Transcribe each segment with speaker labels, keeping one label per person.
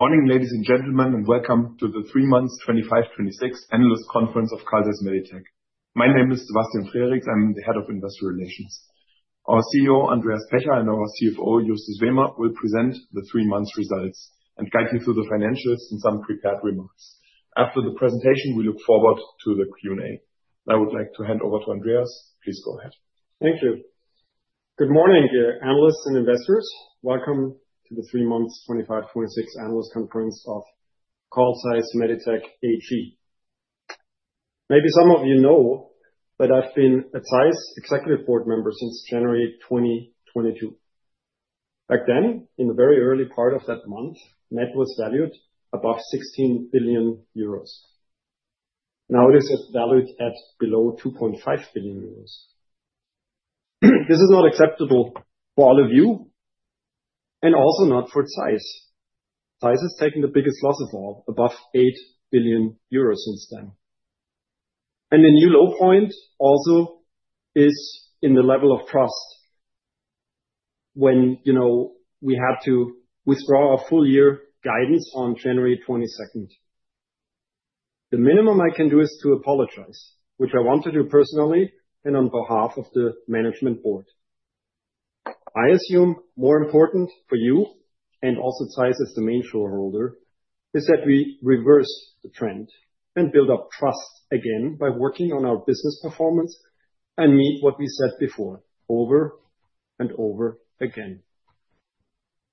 Speaker 1: Morning, ladies and gentlemen, and welcome to the three months 25, 26 analyst conference of Carl Zeiss Meditec. My name is Sebastian Frericks. I'm the Head of Investor Relations. Our CEO, Andreas Pecher, and our CFO, Justus Wehmer, will present the three months results and guide you through the financials and some prepared remarks. After the presentation, we look forward to the Q&A. I would like to hand over to Andreas. Please go ahead.
Speaker 2: Thank you. Good morning, analysts and investors. Welcome to the three months, 25, 26 analyst conference of Carl Zeiss Meditec AG. Maybe some of you know, but I've been a Zeiss executive board member since January 2022. Back then, in the very early part of that month, net was valued above 16 billion euros. Now, it is valued at below 2.5 billion euros. This is not acceptable for all of you and also not for Zeiss. Zeiss is taking the biggest losses of above 8 billion euros since then. And the new low point also is in the level of trust when, you know, we had to withdraw our full year guidance on January 22nd. The minimum I can do is to apologize, which I want to do personally and on behalf of the management board. I assume more important for you, and also Zeiss as the main shareholder, is that we reverse the trend and build up trust again by working on our business performance and meet what we said before, over and over again.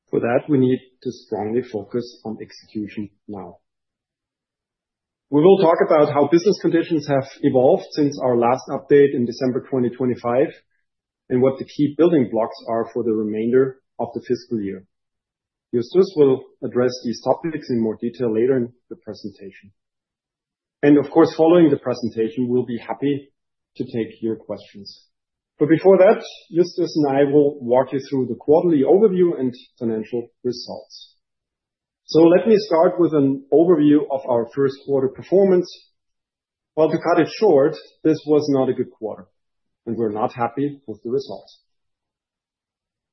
Speaker 2: For that, we need to strongly focus on execution now. We will talk about how business conditions have evolved since our last update in December 2025, and what the key building blocks are for the remainder of the fiscal year. Justus will address these topics in more detail later in the presentation. And of course, following the presentation, we'll be happy to take your questions. But before that, Justus and I will walk you through the quarterly overview and financial results. So let me start with an overview of our first quarter performance. Well, to cut it short, this was not a good quarter, and we're not happy with the results.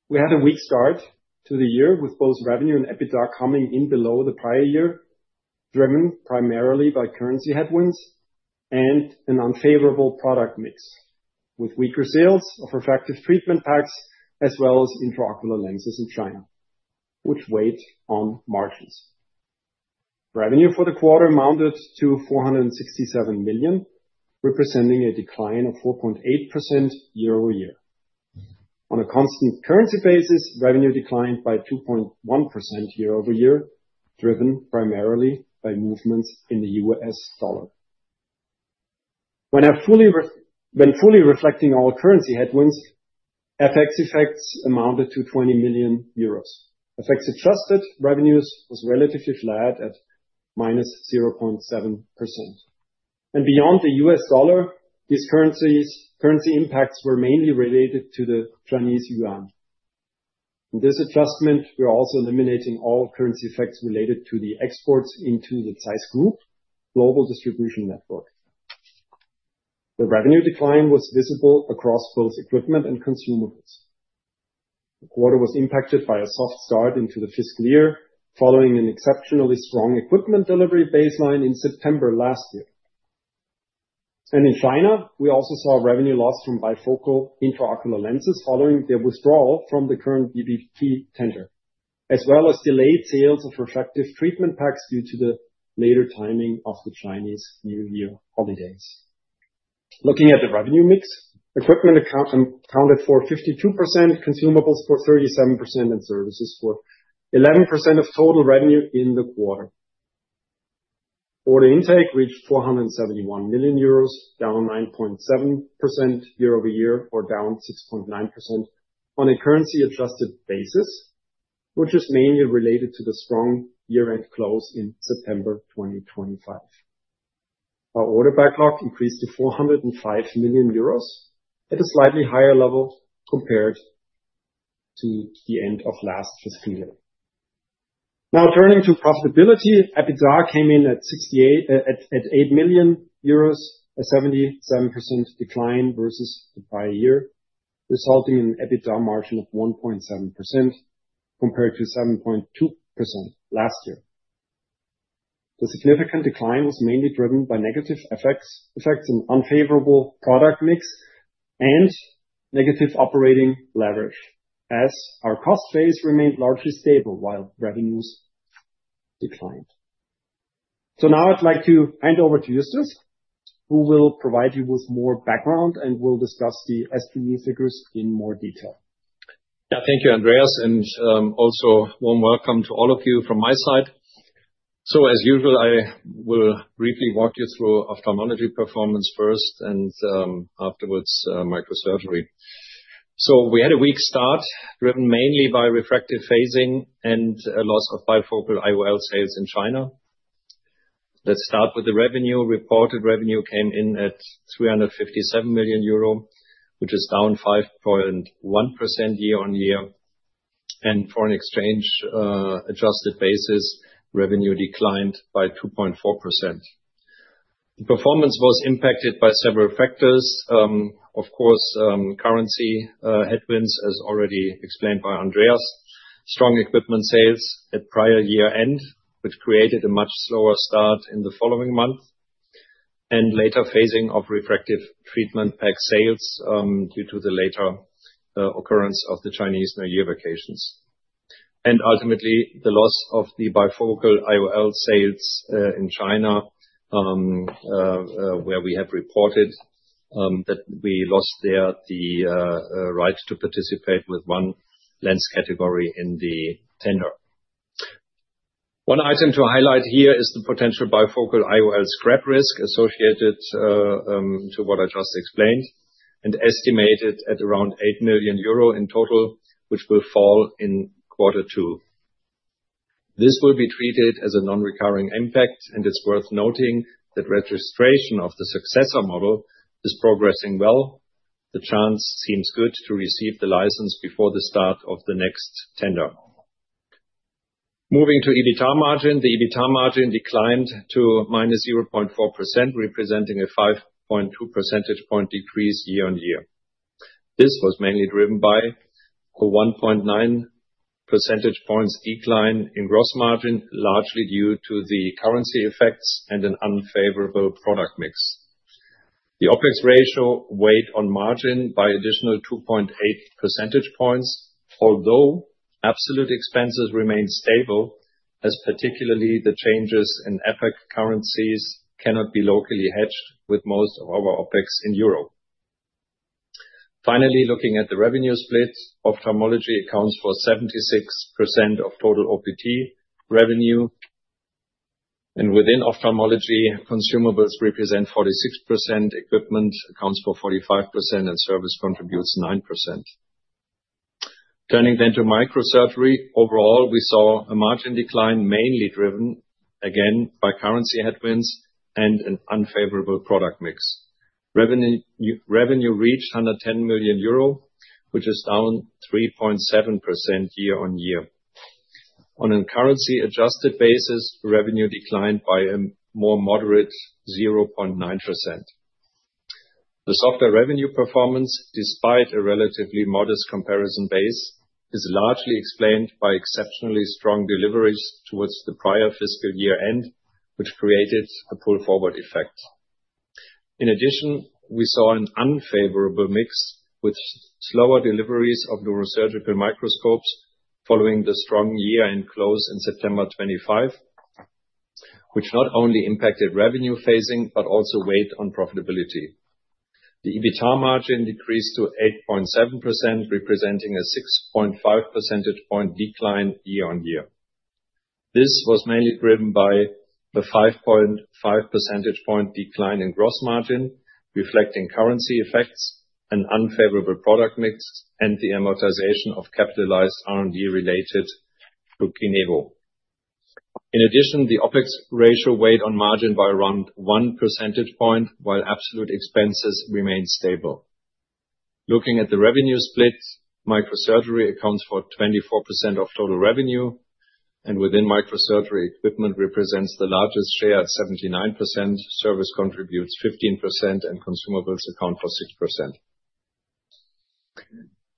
Speaker 2: We had a weak start to the year with both revenue and EBITDA coming in below the prior year, driven primarily by currency headwinds and an unfavorable product mix, with weaker sales of refractive treatment packs, as well as intraocular lenses in China, which weighed on margins. Revenue for the quarter amounted to 467 million, representing a decline of 4.8% year-over-year. On a constant currency basis, revenue declined by 2.1% year-over-year, driven primarily by movements in the US dollar. When fully reflecting all currency headwinds, FX effects amounted to 20 million euros. Effects adjusted, revenues was relatively flat at -0.7%. And beyond the US dollar, these currency impacts were mainly related to the Chinese yuan. In this adjustment, we are also eliminating all currency effects related to the exports into the Zeiss group global distribution network. The revenue decline was visible across both equipment and consumables. The quarter was impacted by a soft start into the fiscal year, following an exceptionally strong equipment delivery baseline in September last year. And in China, we also saw revenue loss from bifocal intraocular lenses following their withdrawal from the current VBP tender, as well as delayed sales of refractive treatment packs due to the later timing of the Chinese New Year holidays. Looking at the revenue mix, equipment accounted for 52%, consumables for 37%, and services for 11% of total revenue in the quarter. Order intake reached 471 million euros, down 9.7% year over year, or down 6.9% on a currency adjusted basis, which is mainly related to the strong year-end close in September 2025. Our order backlog increased to 405 million euros at a slightly higher level compared to the end of last fiscal year. Now, turning to profitability, EBITDA came in at 68.8 million euros, a 77% decline versus the prior year, resulting in EBITDA margin of 1.7%, compared to 7.2% last year. The significant decline was mainly driven by negative effects in unfavorable product mix and negative operating leverage, as our cost base remained largely stable while revenues declined. Now I'd like to hand over to Justus, who will provide you with more background, and we'll discuss the SG&A figures in more detail.
Speaker 3: Yeah, thank you, Andreas, and also warm welcome to all of you from my side. As usual, I will briefly walk you through ophthalmology performance first and afterwards microsurgery. We had a weak start, driven mainly by refractive phasing and a loss of bifocal IOL sales in China. Let's start with the revenue. Reported revenue came in at 357 million euro, which is down 5.1% year-on-year, and foreign exchange adjusted basis, revenue declined by 2.4%. The performance was impacted by several factors. Of course, currency headwinds, as already explained by Andreas. Strong equipment sales at prior year-end, which created a much slower start in the following month, and later phasing of refractive treatment pack sales due to the later occurrence of the Chinese New Year vacations. Ultimately, the loss of the bifocal IOL sales in China, where we have reported that we lost there the right to participate with one lens category in the tender. One item to highlight here is the potential bifocal IOL scrap risk associated to what I just explained, and estimated at around 8 million euro in total, which will fall in quarter two. This will be treated as a non-recurring impact, and it's worth noting that registration of the successor model is progressing well. The chance seems good to receive the license before the start of the next tender. Moving to EBITA margin. The EBITA margin declined to -0.4%, representing a 5.2 percentage point decrease year-on-year. This was mainly driven by a 1.9 percentage points decline in gross margin, largely due to the currency effects and an unfavorable product mix. The OpEx ratio weighed on margin by additional 2.8 percentage points, although absolute expenses remained stable, as particularly the changes in FX currencies cannot be locally hedged with most of our OpEx in Europe. Finally, looking at the revenue split, ophthalmology accounts for 76% of total OPT revenue, and within ophthalmology, consumables represent 46%, equipment accounts for 45%, and service contributes 9%. Turning then to microsurgery. Overall, we saw a margin decline, mainly driven, again, by currency headwinds and an unfavorable product mix. Revenue, revenue reached under 10 million euro, which is down 3.7% year-on-year. On a currency-adjusted basis, revenue declined by a more moderate 0.9%. The softer revenue performance, despite a relatively modest comparison base, is largely explained by exceptionally strong deliveries towards the prior fiscal year-end, which created a pull-forward effect. In addition, we saw an unfavorable mix with slower deliveries of neurosurgical microscopes following the strong year-end close in September 2025, which not only impacted revenue phasing, but also weighed on profitability. The EBITA margin decreased to 8.7%, representing a 6.5 percentage point decline year on year. This was mainly driven by the 5.5 percentage point decline in gross margin, reflecting currency effects and unfavorable product mix, and the amortization of capitalized R&D related to KINEVO. In addition, the OpEx ratio weighed on margin by around 1 percentage point, while absolute expenses remained stable. Looking at the revenue split, Microsurgery accounts for 24% of total revenue, and within Microsurgery, equipment represents the largest share at 79%, service contributes 15%, and consumables account for 6%.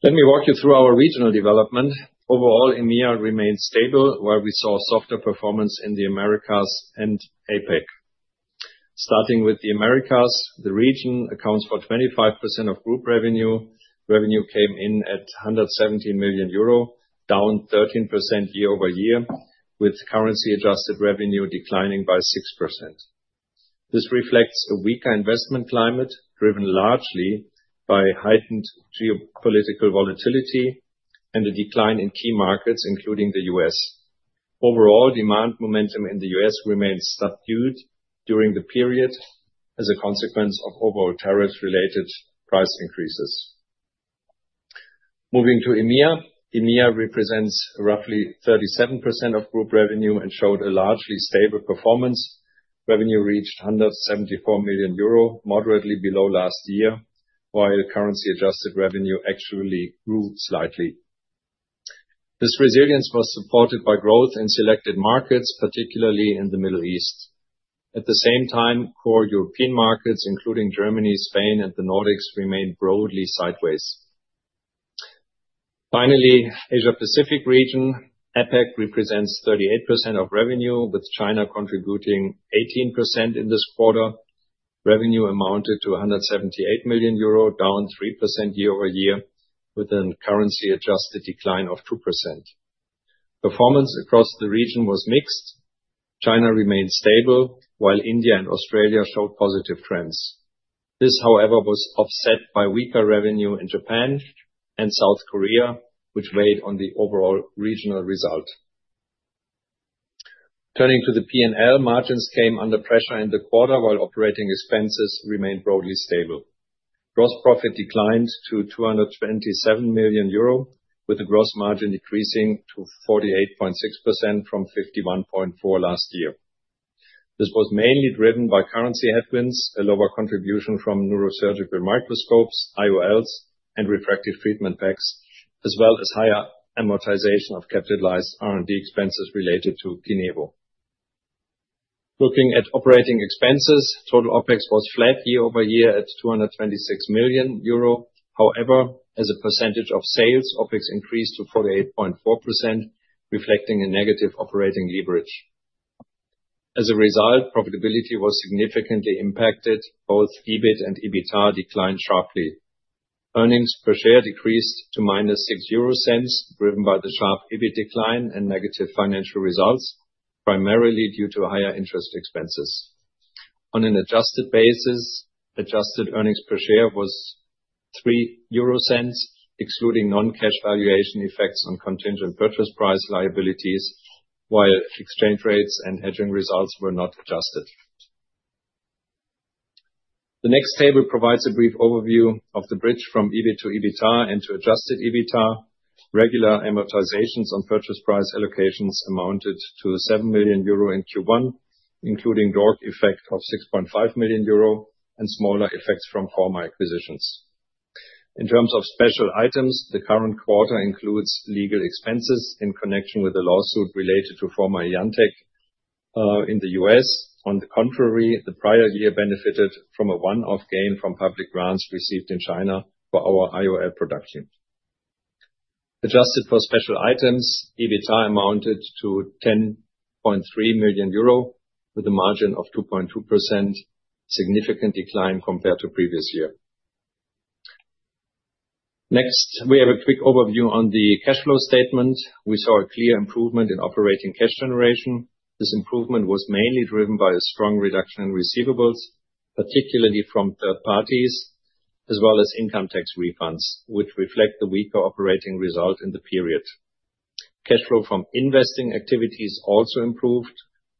Speaker 3: Let me walk you through our regional development. Overall, EMEA remains stable, where we saw softer performance in the Americas and APAC. Starting with the Americas, the region accounts for 25% of group revenue. Revenue came in at 117 million euro, down 13% year-over-year, with currency-adjusted revenue declining by 6%. This reflects a weaker investment climate, driven largely by heightened geopolitical volatility and a decline in key markets, including the U.S. Overall, demand momentum in the U.S. remains subdued during the period as a consequence of overall tariff-related price increases. Moving to EMEA. EMEA represents roughly 37% of group revenue and showed a largely stable performance. Revenue reached 174 million euro, moderately below last year, while currency-adjusted revenue actually grew slightly. This resilience was supported by growth in selected markets, particularly in the Middle East. At the same time, core European markets, including Germany, Spain, and the Nordics, remained broadly sideways. Finally, Asia Pacific region, APAC, represents 38% of revenue, with China contributing 18% in this quarter. Revenue amounted to 178 million euro, down 3% year-over-year, with a currency-adjusted decline of 2%. Performance across the region was mixed. China remained stable, while India and Australia showed positive trends. This, however, was offset by weaker revenue in Japan and South Korea, which weighed on the overall regional result. Turning to the P&L, margins came under pressure in the quarter, while operating expenses remained broadly stable. Gross profit declined to 227 million euro, with the gross margin decreasing to 48.6% from 51.4% last year. This was mainly driven by currency headwinds, a lower contribution from neurosurgical microscopes, IOLs, and refractive treatment packs, as well as higher amortization of capitalized R&D expenses related to KINEVO. Looking at operating expenses, total OpEx was flat year-over-year at 226 million euro. However, as a percentage of sales, OpEx increased to 48.4%, reflecting a negative operating leverage. As a result, profitability was significantly impacted. Both EBIT and EBITDA declined sharply. Earnings per share decreased to -0.06 EUR, driven by the sharp EBIT decline and negative financial results, primarily due to higher interest expenses. On an adjusted basis, adjusted earnings per share was 0.03, excluding non-cash valuation effects on contingent purchase price liabilities, while exchange rates and hedging results were not adjusted. The next table provides a brief overview of the bridge from EBIT to EBITDA and to adjusted EBITDA. Regular amortizations on purchase price allocations amounted to 7 million euro in Q1, including DORC effect of 6.5 million euro and smaller effects from former acquisitions. In terms of special items, the current quarter includes legal expenses in connection with the lawsuit related to former IanTECH in the U.S. On the contrary, the prior year benefited from a one-off gain from public grants received in China for our IOL production. Adjusted for special items, EBITA amounted to 10.3 million euro, with a margin of 2.2%, significant decline compared to previous year. Next, we have a quick overview on the cash flow statement. We saw a clear improvement in operating cash generation. This improvement was mainly driven by a strong reduction in receivables, particularly from third parties, as well as income tax refunds, which reflect the weaker operating result in the period. Cash flow from investing activities also improved,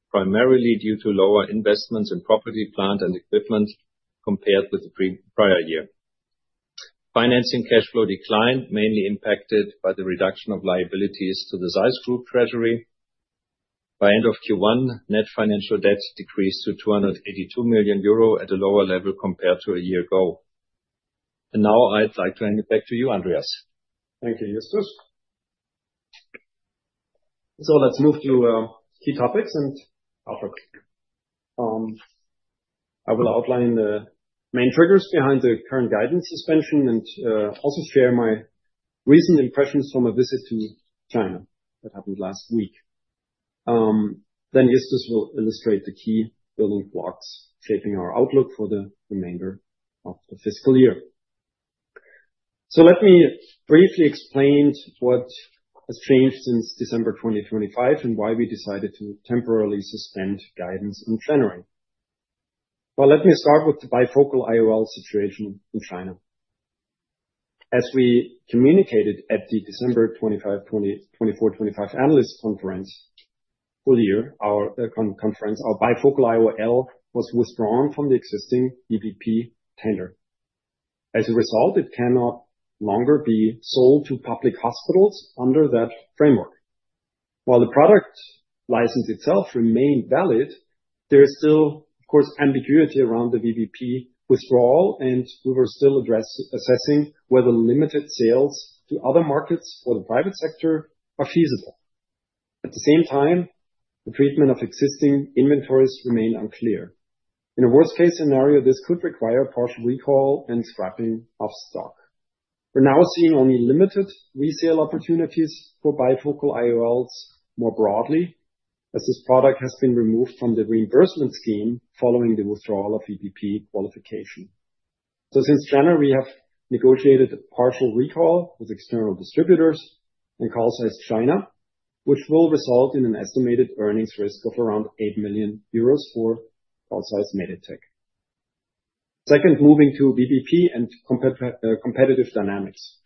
Speaker 3: primarily due to lower investments in property, plant, and equipment compared with the prior year. Financing cash flow declined, mainly impacted by the reduction of liabilities to the ZEISS Group treasury. By end of Q1, net financial debt decreased to 282 million euro at a lower level compared to a year ago. Now I'd like to hand it back to you, Andreas.
Speaker 2: Thank you, Justus. So let's move to key topics and outlook. I will outline the main triggers behind the current guidance suspension and also share my recent impressions from a visit to China that happened last week. Then Justus will illustrate the key building blocks shaping our outlook for the remainder of the fiscal year. So let me briefly explain what has changed since December 2025, and why we decided to temporarily suspend guidance in January. Well, let me start with the bifocal IOL situation in China. As we communicated at the December 2024-25 full year analyst conference, our bifocal IOL was withdrawn from the existing VBP tender. As a result, it can no longer be sold to public hospitals under that framework. While the product license itself remained valid, there is still, of course, ambiguity around the VBP withdrawal, and we were still assessing whether limited sales to other markets for the private sector are feasible. At the same time, the treatment of existing inventories remain unclear. In a worst-case scenario, this could require partial recall and scrapping of stock. We're now seeing only limited resale opportunities for bifocal IOLs more broadly, as this product has been removed from the reimbursement scheme following the withdrawal of VBP qualification. So since January, we have negotiated a partial recall with external distributors and Carl Zeiss China, which will result in an estimated earnings risk of around 8 million euros for Carl Zeiss Meditec. Second, moving to VBP and competitive dynamics.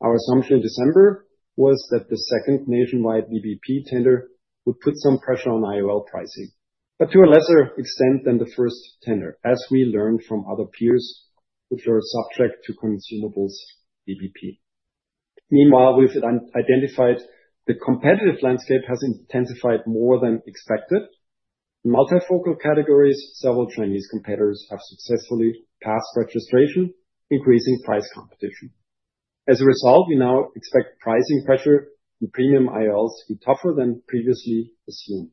Speaker 2: Our assumption in December was that the second nationwide VBP tender would put some pressure on IOL pricing, but to a lesser extent than the first tender, as we learned from other peers which are subject to consumables VBP. Meanwhile, we've identified the competitive landscape has intensified more than expected. In multifocal categories, several Chinese competitors have successfully passed registration, increasing price competition. As a result, we now expect pricing pressure in premium IOLs to be tougher than previously assumed.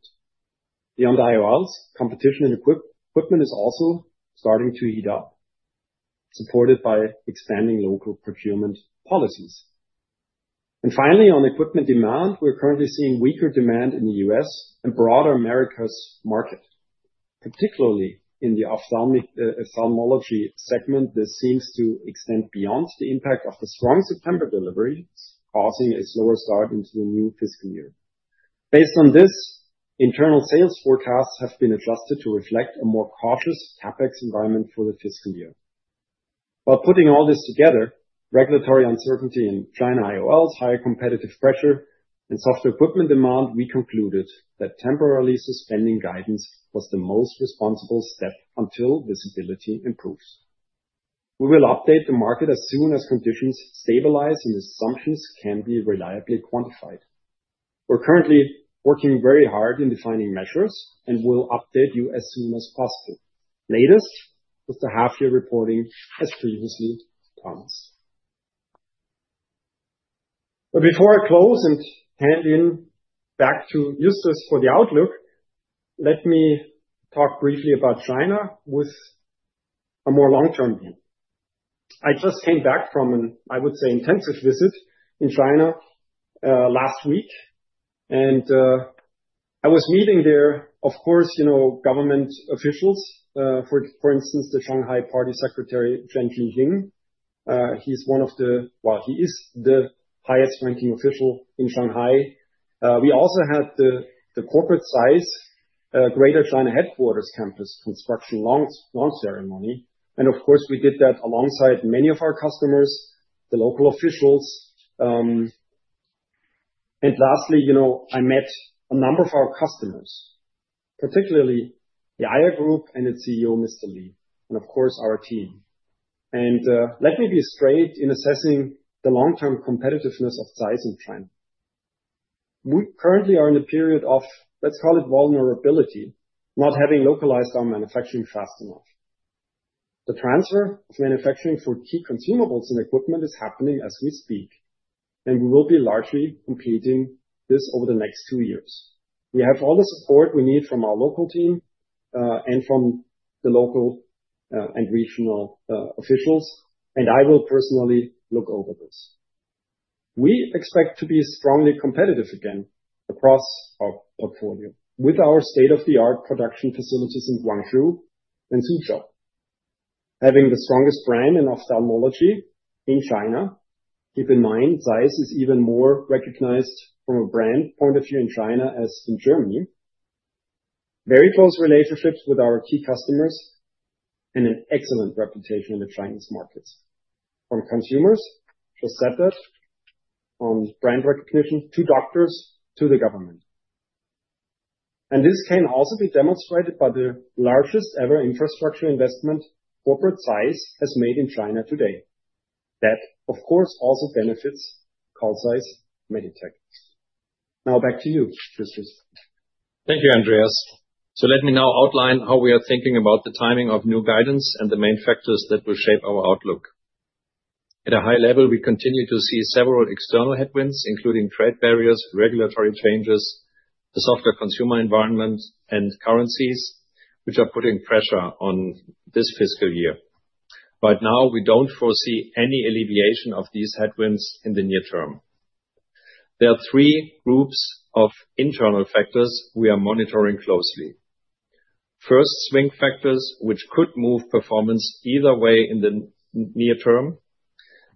Speaker 2: Beyond the IOLs, competition in equipment is also starting to heat up, supported by expanding local procurement policies. And finally, on equipment demand, we're currently seeing weaker demand in the US and broader Americas market, particularly in the ophthalmology segment. This seems to extend beyond the impact of the strong September delivery, causing a slower start into the new fiscal year. Based on this, internal sales forecasts have been adjusted to reflect a more cautious CapEx environment for the fiscal year. While putting all this together, regulatory uncertainty in China IOLs, higher competitive pressure, and softer equipment demand, we concluded that temporarily suspending guidance was the most responsible step until visibility improves. We will update the market as soon as conditions stabilize and assumptions can be reliably quantified. We're currently working very hard in defining measures, and we'll update you as soon as possible. Latest, with the half year reporting, as previously promised.... But before I close and hand in back to Justus for the outlook, let me talk briefly about China with a more long-term view. I just came back from an, I would say, intensive visit in China last week, and I was meeting there, of course, you know, government officials, for instance, the Shanghai Party Secretary, Chen Jining. He is the highest-ranking official in Shanghai. We also had the corporate site Greater China headquarters campus construction launch ceremony, and of course, we did that alongside many of our customers, the local officials. Lastly, you know, I met a number of our customers, particularly the Aier Group and its CEO, Mr. Lee, and of course, our team. Let me be straight in assessing the long-term competitiveness of ZEISS in China. We currently are in a period of, let's call it vulnerability, not having localized our manufacturing fast enough. The transfer of manufacturing for key consumables and equipment is happening as we speak, and we will be largely completing this over the next two years. We have all the support we need from our local team, and from the local, and regional, officials, and I will personally look over this. We expect to be strongly competitive again across our portfolio with our state-of-the-art production facilities in Guangzhou and Suzhou. Having the strongest brand in ophthalmology in China, keep in mind, ZEISS is even more recognized from a brand point of view in China as in Germany. Very close relationships with our key customers and an excellent reputation in the Chinese markets, from consumers to sellers, from brand recognition to doctors, to the government. This can also be demonstrated by the largest ever infrastructure investment corporate ZEISS has made in China today. That, of course, also benefits Carl Zeiss Meditec. Now back to you, Justus.
Speaker 3: Thank you, Andreas. So let me now outline how we are thinking about the timing of new guidance and the main factors that will shape our outlook. At a high level, we continue to see several external headwinds, including trade barriers, regulatory changes, the softer consumer environment, and currencies, which are putting pressure on this fiscal year. Right now, we don't foresee any alleviation of these headwinds in the near term. There are three groups of internal factors we are monitoring closely. First, swing factors, which could move performance either way in the near term.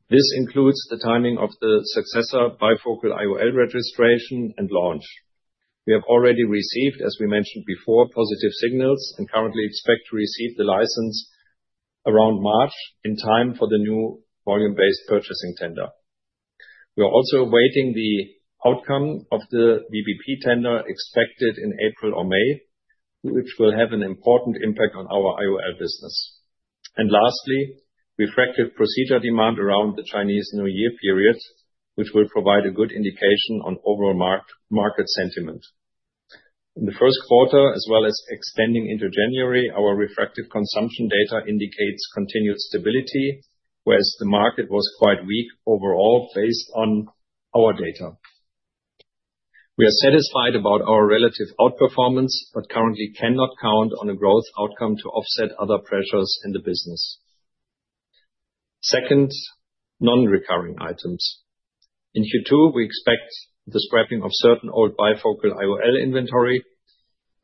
Speaker 3: This includes the timing of the successor bifocal IOL registration and launch. We have already received, as we mentioned before, positive signals and currently expect to receive the license around March, in time for the new volume-based purchasing tender. We are also awaiting the outcome of the VBP tender, expected in April or May, which will have an important impact on our IOL business. And lastly, refractive procedure demand around the Chinese New Year period, which will provide a good indication on overall market sentiment. In the first quarter, as well as extending into January, our refractive consumption data indicates continued stability, whereas the market was quite weak overall, based on our data. We are satisfied about our relative outperformance, but currently cannot count on a growth outcome to offset other pressures in the business. Second, non-recurring items. In Q2, we expect the scrapping of certain old bifocal IOL inventory.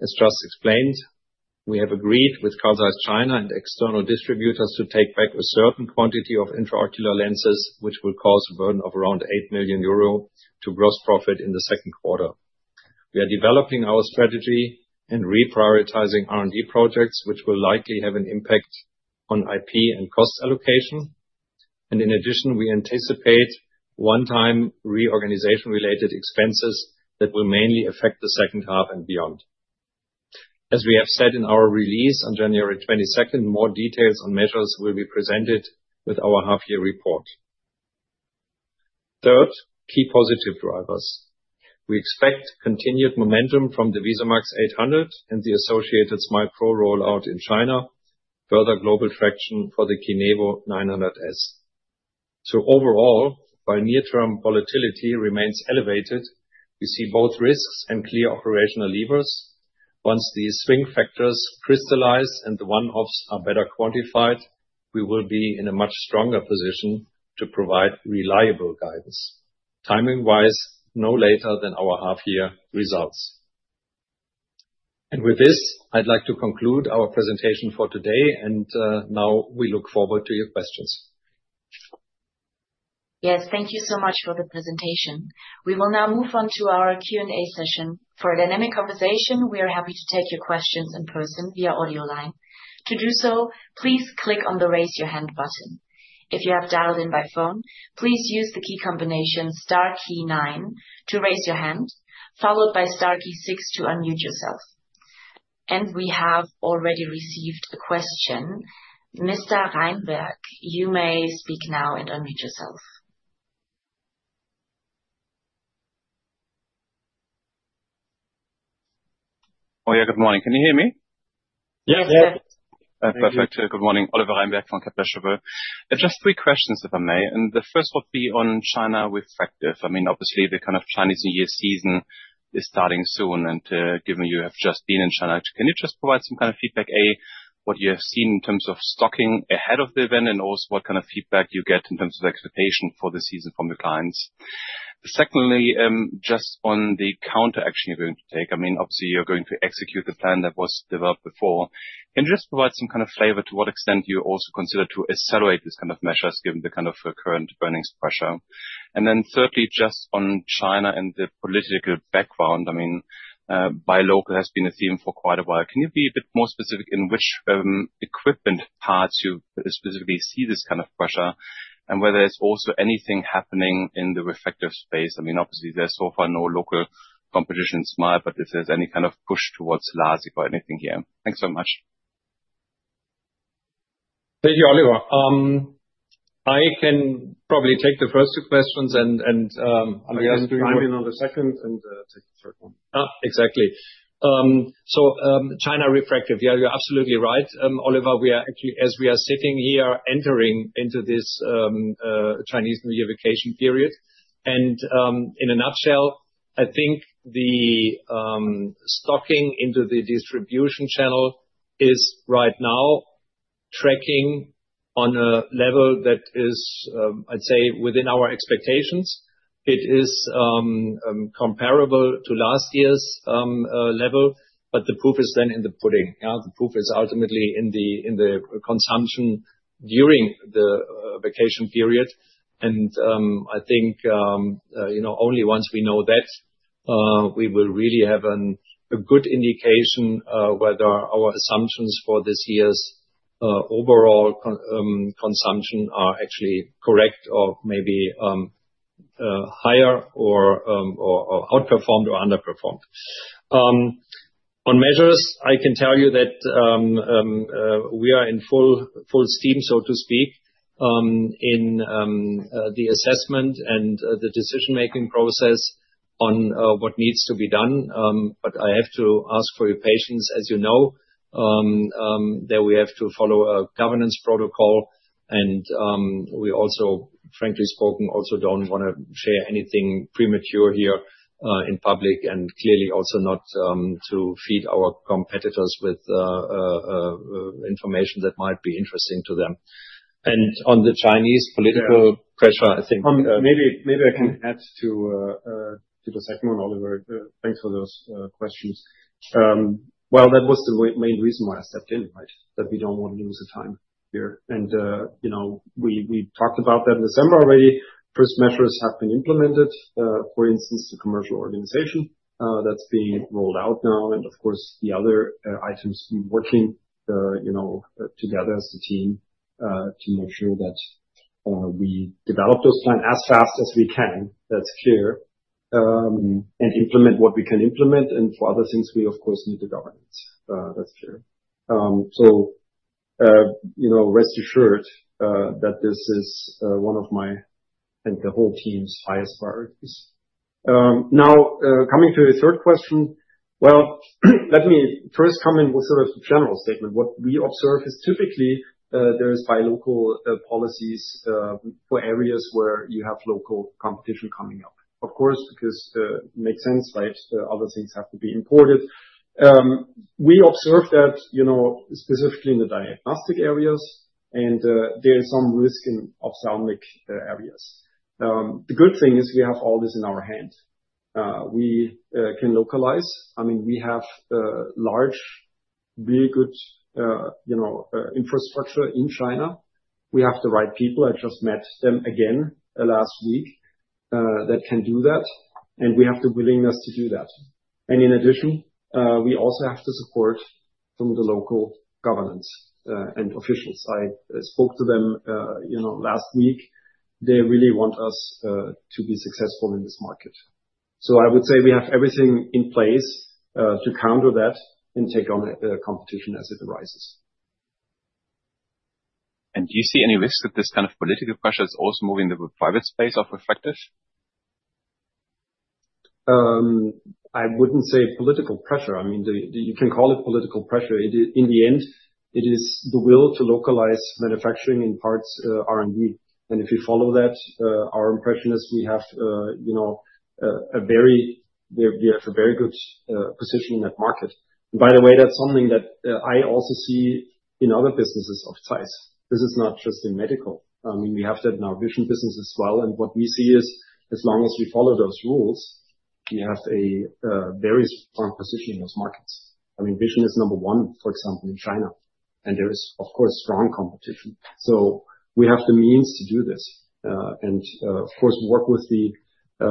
Speaker 3: As just explained, we have agreed with Carl Zeiss China and external distributors to take back a certain quantity of intraocular lenses, which will cause a burden of around 8 million euro to gross profit in the second quarter. We are developing our strategy and reprioritizing R&D projects, which will likely have an impact on IP and cost allocation. And in addition, we anticipate one-time reorganization-related expenses that will mainly affect the second half and beyond. As we have said in our release on January 22, more details on measures will be presented with our half-year report. Third, key positive drivers. We expect continued momentum from the VISUMAX 800 and the associated SMILE Pro rollout in China, further global traction for the KINEVO 900 S. So overall, while near-term volatility remains elevated, we see both risks and clear operational levers. Once these swing factors crystallize and the one-offs are better quantified, we will be in a much stronger position to provide reliable guidance. Timing-wise, no later than our half-year results. And with this, I'd like to conclude our presentation for today, and, now we look forward to your questions.
Speaker 4: Yes, thank you so much for the presentation. We will now move on to our Q&A session. For a dynamic conversation, we are happy to take your questions in person via audio line. To do so, please click on the Raise Your Hand button. If you have dialed in by phone, please use the key combination star key nine to raise your hand, followed by star key six to unmute yourself. We have already received a question. Mr. Reinberg, you may speak now and unmute yourself. ...
Speaker 5: Oh, yeah, good morning. Can you hear me?
Speaker 3: Yes.
Speaker 5: Perfect. Good morning, Oliver Reinberg from Kepler Cheuvreux. Just three questions, if I may, and the first would be on China refractive. I mean, obviously, the kind of Chinese New Year season is starting soon, and, given you have just been in China, can you just provide some kind of feedback, A, what you have seen in terms of stocking ahead of the event, and also what kind of feedback you get in terms of expectation for the season from the clients? Secondly, just on the counteraction you're going to take, I mean, obviously, you're going to execute the plan that was developed before. Can you just provide some kind of flavor to what extent you also consider to accelerate these kind of measures, given the kind of current earnings pressure? And then thirdly, just on China and the political background, I mean, buy local has been a theme for quite a while. Can you be a bit more specific in which equipment parts you specifically see this kind of pressure, and whether there's also anything happening in the refractive space? I mean, obviously, there's so far no local competition in mind, but if there's any kind of push towards laser or anything here? Thanks so much.
Speaker 3: Thank you, Oliver. I can probably take the first two questions, and
Speaker 2: I can chime in on the second, and take the third one.
Speaker 3: Ah, exactly. So, China refractive. Yeah, you're absolutely right, Oliver, we are actually, as we are sitting here, entering into this Chinese New Year vacation period. In a nutshell, I think the stocking into the distribution channel is right now tracking on a level that is, I'd say, within our expectations. It is comparable to last year's level, but the proof is then in the pudding, yeah? The proof is ultimately in the consumption during the vacation period, and I think, you know, only once we know that we will really have a good indication whether our assumptions for this year's overall consumption are actually correct, or maybe higher, or outperformed or underperformed. On measures, I can tell you that we are in full steam, so to speak, in the assessment and the decision-making process on what needs to be done, but I have to ask for your patience. As you know, that we have to follow a governance protocol, and we also, frankly spoken, also don't wanna share anything premature here in public, and clearly also not to feed our competitors with information that might be interesting to them. And on the Chinese political pressure, I think-
Speaker 2: Maybe, maybe I can add to the second one, Oliver. Thanks for those questions. Well, that was the main reason why I stepped in, right? That we don't want to lose the time here. And, you know, we talked about that in December already. First measures have been implemented, for instance, the commercial organization that's being rolled out now, and of course, the other items working, you know, together as a team, to make sure that we develop those plan as fast as we can. That's clear. And implement what we can implement, and for other things, we of course need the governance. That's clear. So, you know, rest assured that this is one of my, and the whole team's highest priorities. Now, coming to your third question, well, let me first come in with sort of a general statement. What we observe is typically, there is buy local, policies, for areas where you have local competition coming up. Of course, because, it makes sense, right? Other things have to be imported. We observe that, you know, specifically in the diagnostic areas, and, there is some risk in ophthalmic, areas. The good thing is we have all this in our hand. We can localize. I mean, we have, large, very good, you know, infrastructure in China. We have the right people, I just met them again, last week, that can do that, and we have the willingness to do that. In addition, we also have the support from the local governments and officials. I spoke to them, you know, last week. They really want us to be successful in this market. I would say we have everything in place to counter that and take on the competition as it arises.
Speaker 5: Do you see any risk that this kind of political pressure is also moving the private space of refractive?
Speaker 3: I wouldn't say political pressure. I mean, the, you can call it political pressure. It in the end, it is the will to localize manufacturing in parts, R&D, and if you follow that, our impression is we have, you know, a very... We have a very good position in that market. And by the way, that's something that, I also see in other businesses of size. This is not just in medical. I mean, we have that in our vision business as well, and what we see is, as long as we follow those rules, we have a very strong position in those markets. I mean, vision is number one, for example, in China, and there is, of course, strong competition. So we have the means to do this, and of course work with the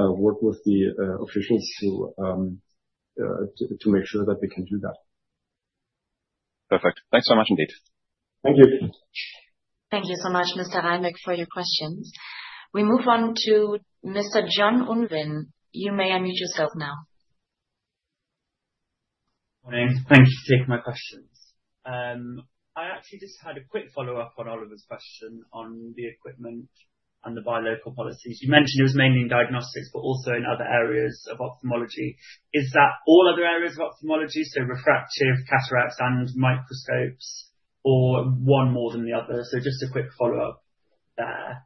Speaker 3: officials to make sure that we can do that.
Speaker 5: Perfect. Thanks so much indeed.
Speaker 3: Thank you.
Speaker 4: Thank you so much, Mr. Reinberg, for your questions. We move on to Mr. Jan Unruhe. You may unmute yourself now.
Speaker 6: Morning. Thank you for taking my questions. I actually just had a quick follow-up on Oliver's question on the equipment and the buy local policies. You mentioned it was mainly in diagnostics, but also in other areas of ophthalmology. Is that all other areas of ophthalmology, so refractive, cataracts, and microscopes, or one more than the other? So just a quick follow-up there.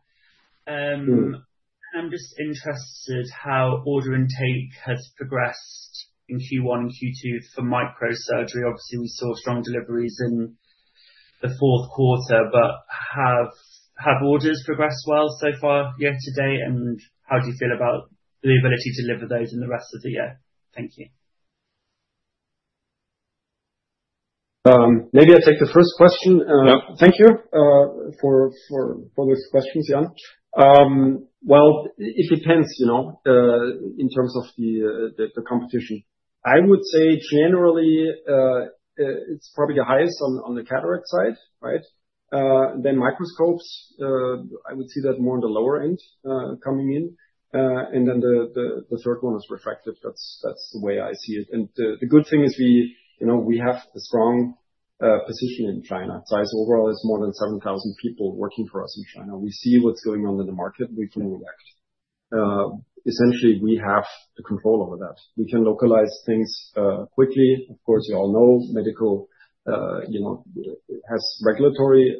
Speaker 6: I'm just interested how order intake has progressed in Q1 and Q2 for microsurgery. Obviously, we saw strong deliveries in the fourth quarter, but have orders progressed well so far year to date, and how do you feel about the ability to deliver those in the rest of the year? Thank you.
Speaker 2: Maybe I'll take the first question. Thank you for those questions, Jan. Well, it depends, you know, in terms of the competition. I would say generally, it's probably the highest on the cataract side, right? Then microscopes, I would say that more on the lower end, coming in. And then the third one is refractive. That's the way I see it. And the good thing is we, you know, we have a strong position in China. ZEISS overall has more than 7,000 people working for us in China. We see what's going on in the market, we can react. Essentially, we have the control over that. We can localize things quickly. Of course, you all know, medical, you know, has regulatory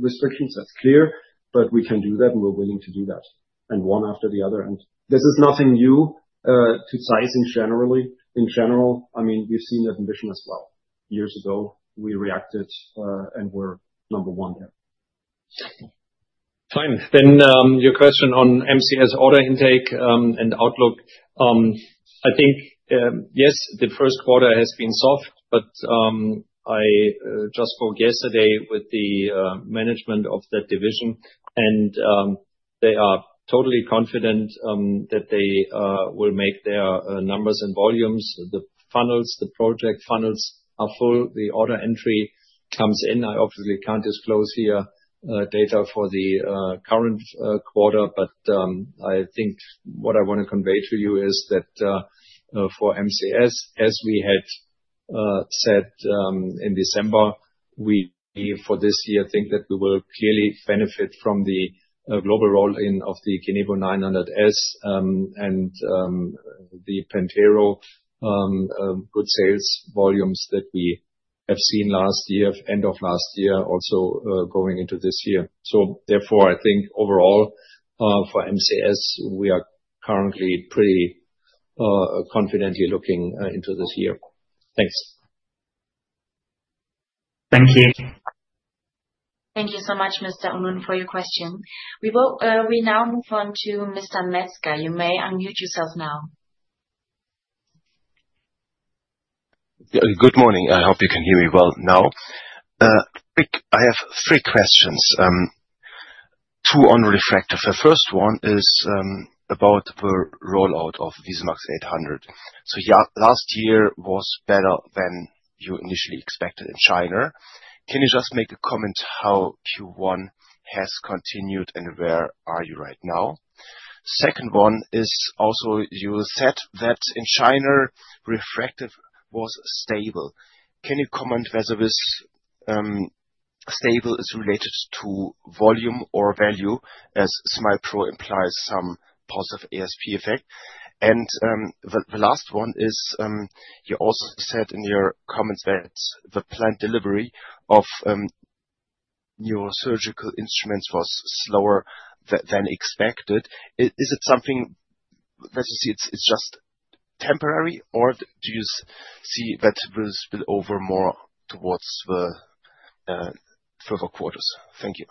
Speaker 2: restrictions. That's clear, but we can do that, and we're willing to do that, and one after the other. This is nothing new to ZEISS in general. I mean, we've seen that in vision as well. Years ago, we reacted, and we're number one there.
Speaker 3: Fine. Then, your question on MCS order intake and outlook. I think, yes, the first quarter has been soft, but I just spoke yesterday with the management of that division, and they are totally confident that they will make their numbers and volumes. The funnels, the project funnels are full. The order entry comes in. I obviously can't disclose here, data for the current quarter, but I think what I want to convey to you is that for MCS, as we had said in December, we for this year think that we will clearly benefit from the global rollout of the KINEVO 900 S and the PENTERO good sales volumes that we have seen last year, end of last year, also going into this year. So therefore, I think overall for MCS, we are currently pretty confident looking into this year. Thanks.
Speaker 6: Thank you.
Speaker 4: Thank you so much, Mr. Unruhe, for your question. We will, we now move on to Mr. Metzger. You may unmute yourself now.
Speaker 7: Good morning. I hope you can hear me well now. Quick, I have three questions, two on refractive. The first one is about the rollout of VISUMAX 800. So last year was better than you initially expected in China. Can you just make a comment how Q1 has continued, and where are you right now? Second one is also, you said that in China, refractive was stable. Can you comment whether this stable is related to volume or value, as SMILE Pro implies some positive ASP effect? And the last one is, you also said in your comments that the planned delivery of neurosurgical instruments was slower than expected. Is it something that you see it's just temporary, or do you see that will spill over more towards the further quarters? Thank you.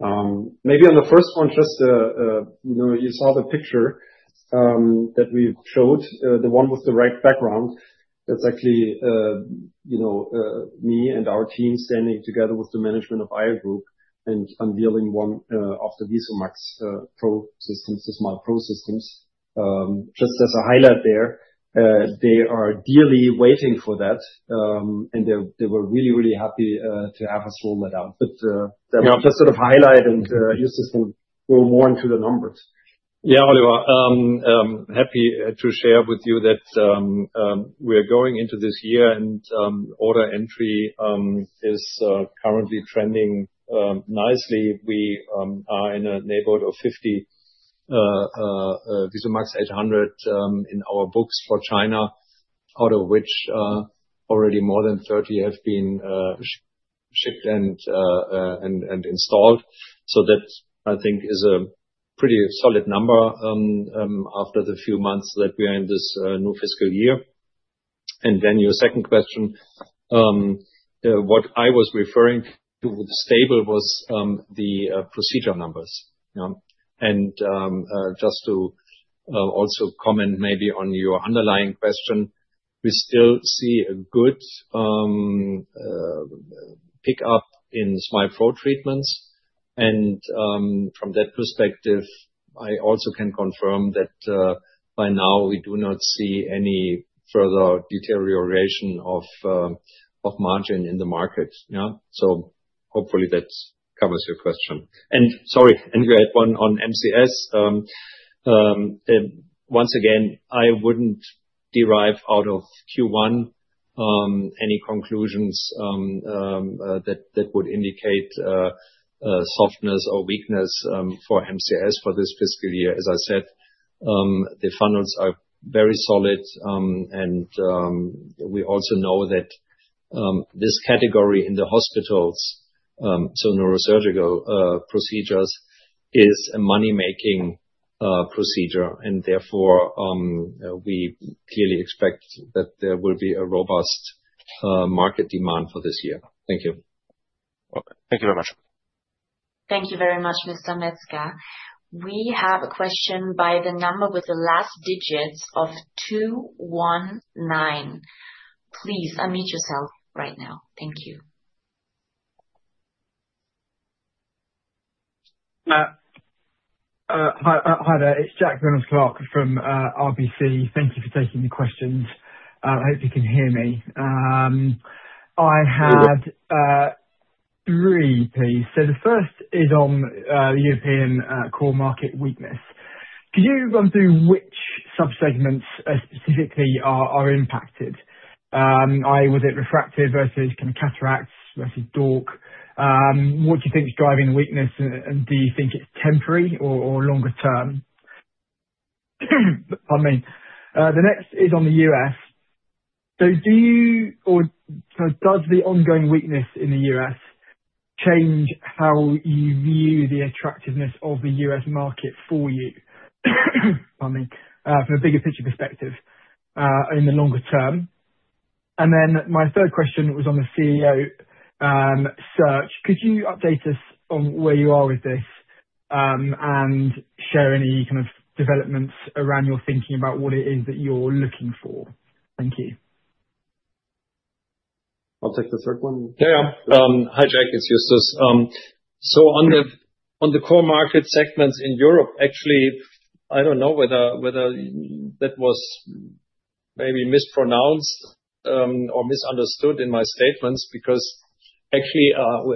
Speaker 2: Maybe on the first one, just, you know, you saw the picture that we showed, the one with the right background. That's actually, you know, me and our team standing together with the management of EYE Group and unveiling one of the VISUMAX Pro systems, the SMILE Pro systems. Just as a highlight there, they are dearly waiting for that, and they, they were really, really happy to have us roll that out. But, that's just sort of highlight and, Justus can go more into the numbers.
Speaker 3: Yeah, Oliver, happy to share with you that we're going into this year, and order entry is currently trending nicely. We are in a neighborhood of 50 VISUMAX 800 in our books for China, out of which already more than 30 have been shipped and installed. So that, I think, is a pretty solid number after the few months that we are in this new fiscal year. And then your second question, what I was referring to with stable was the procedure numbers. And, just to also comment maybe on your underlying question, we still see a good pick-up in SMILE Pro treatments and, from that perspective, I also can confirm that, by now, we do not see any further deterioration of margin in the market, yeah? So-...
Speaker 2: Hopefully, that covers your question. And sorry, and you had one on MCS. Once again, I wouldn't derive out of Q1 any conclusions that would indicate softness or weakness for MCS for this fiscal year. As I said, the funnels are very solid, and we also know that this category in the hospitals, so neurosurgical procedures, is a money-making procedure, and therefore we clearly expect that there will be a robust market demand for this year. Thank you.
Speaker 3: Okay. Thank you very much.
Speaker 4: Thank you very much, Mr. Metzger. We have a question by the number with the last digits of 219. Please unmute yourself right now. Thank you.
Speaker 8: Hi there. It's Jack Reynolds-Clark from RBC. Thank you for taking the questions. I hope you can hear me. I had-
Speaker 2: Yes.
Speaker 8: 3, please. So the first is on European core market weakness. Could you run through which subsegments specifically are impacted? I.e., was it refractive versus kind of cataracts versus DORC? What do you think is driving the weakness, and do you think it's temporary or longer term? Pardon me. The next is on the U.S. So does the ongoing weakness in the U.S. change how you view the attractiveness of the U.S. market for you, pardon me, from a bigger picture perspective, in the longer term? And then my third question was on the CEO search. Could you update us on where you are with this, and share any kind of developments around your thinking about what it is that you're looking for? Thank you.
Speaker 2: I'll take the third one.
Speaker 3: Yeah. Hi, Jack, it's Justus. So on the core market segments in Europe, actually, I don't know whether that was maybe mispronounced or misunderstood in my statements, because actually,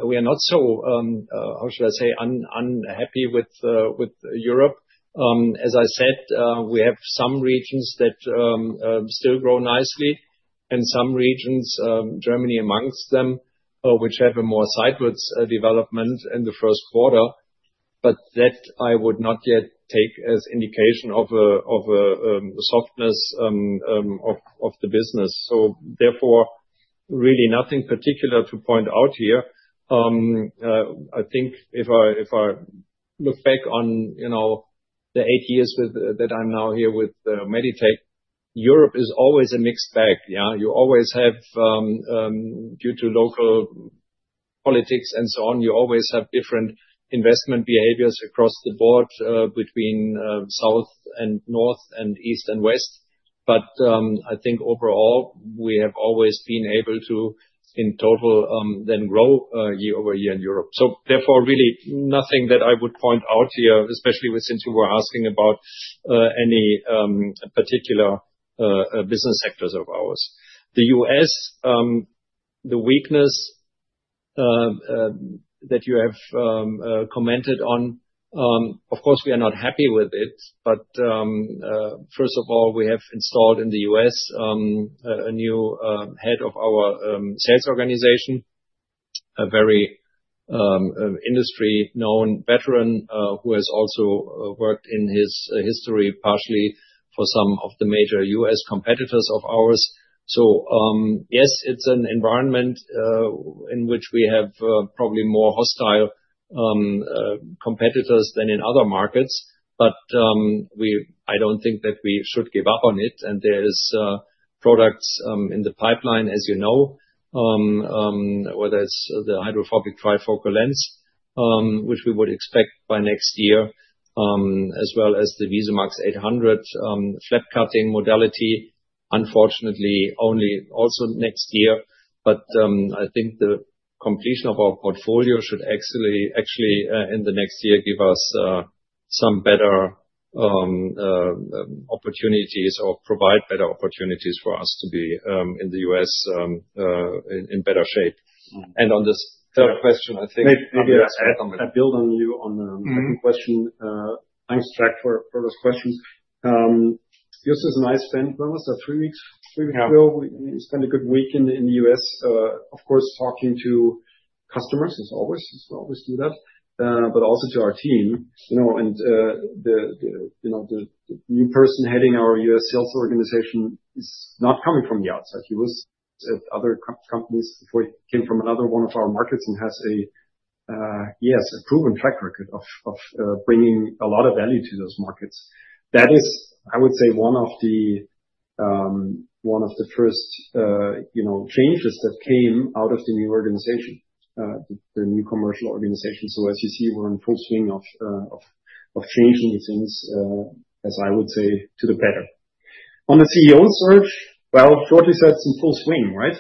Speaker 3: we are not so unhappy with Europe. As I said, we have some regions that still grow nicely and some regions, Germany amongst them, which have a more sidewards development in the first quarter, but that I would not yet take as indication of a softness of the business. So therefore, really nothing particular to point out here. I think if I look back on, you know, the eight years that I'm now here with Meditec, Europe is always a mixed bag, yeah? You always have, due to local politics and so on, you always have different investment behaviors across the board, between south and north and east and west. But, I think overall, we have always been able to, in total, then grow year-over-year in Europe. So therefore, really nothing that I would point out here, especially with since you were asking about, any particular business sectors of ours. The US, the weakness that you have commented on, of course, we are not happy with it, but, first of all, we have installed in the US, a new head of our sales organization, a very industry-known veteran, who has also worked in his history, partially for some of the major US competitors of ours. So, yes, it's an environment in which we have probably more hostile competitors than in other markets, but, I don't think that we should give up on it, and there's products in the pipeline, as you know, whether it's the hydrophobic trifocal lens, which we would expect by next year, as well as the VISUMAX 800, flap cutting modality. Unfortunately, only also next year, but, I think the completion of our portfolio should actually in the next year give us some better opportunities or provide better opportunities for us to be in the U.S. in better shape.
Speaker 2: Mm-hmm.
Speaker 3: On this third question, I think-
Speaker 2: May I add, build on you on the-
Speaker 3: Mm-hmm.
Speaker 2: - Second question? Thanks, Jack, for, for those questions. Justus and I spent almost three weeks, three weeks ago-
Speaker 3: Yeah.
Speaker 2: We spent a good week in the US, of course, talking to customers, as always, as we always do that, but also to our team, you know, and the new person heading our US sales organization is not coming from the outside. He was at other companies before. He came from another one of our markets and has a, yes, a proven track record of bringing a lot of value to those markets. That is, I would say, one of the first, you know, changes that came out of the new organization, the new commercial organization. So as you see, we're in full swing of changing the things, as I would say, to the better. On the CEO search, well, shortly said, it's in full swing, right?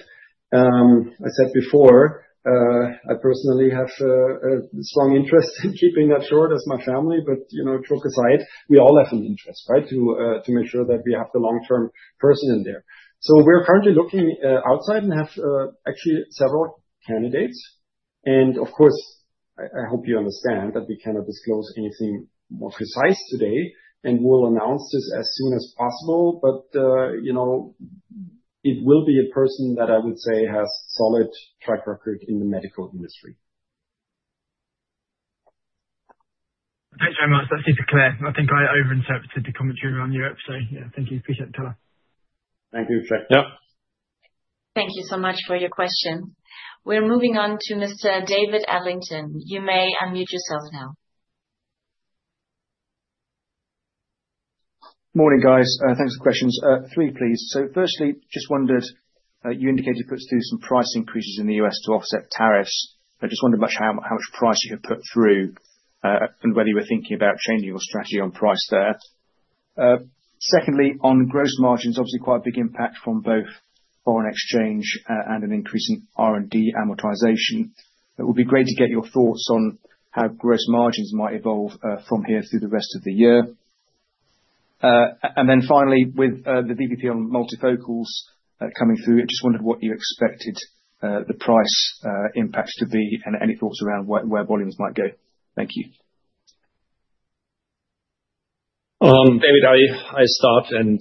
Speaker 2: I said before, I personally have a strong interest in keeping that short as my family, but, you know, joke aside, we all have an interest, right? To make sure that we have the long-term person in there. So we're currently looking outside and have actually several candidates.
Speaker 3: Of course, I hope you understand that we cannot disclose anything more precise today, and we'll announce this as soon as possible, but, you know, it will be a person that I would say has solid track record in the medical industry.
Speaker 8: Thanks very much. That's super clear. I think I overinterpreted the commentary around Europe, so yeah, thank you. Appreciate the time.
Speaker 3: Thank you, Chuck. Yep.
Speaker 4: Thank you so much for your question. We're moving on to Mr. David Adlington. You may unmute yourself now.
Speaker 9: Morning, guys. Thanks for the questions. Three, please. So firstly, just wondered, you indicated you put through some price increases in the U.S. to offset tariffs. I just wondered about how much price you had put through, and whether you were thinking about changing your strategy on price there. Secondly, on gross margins, obviously quite a big impact from both foreign exchange and an increase in R&D amortization. It would be great to get your thoughts on how gross margins might evolve from here through the rest of the year. And then finally, with the VBP on multifocals coming through, I just wondered what you expected the price impacts to be, and any thoughts around where volumes might go. Thank you.
Speaker 3: David, I start, and,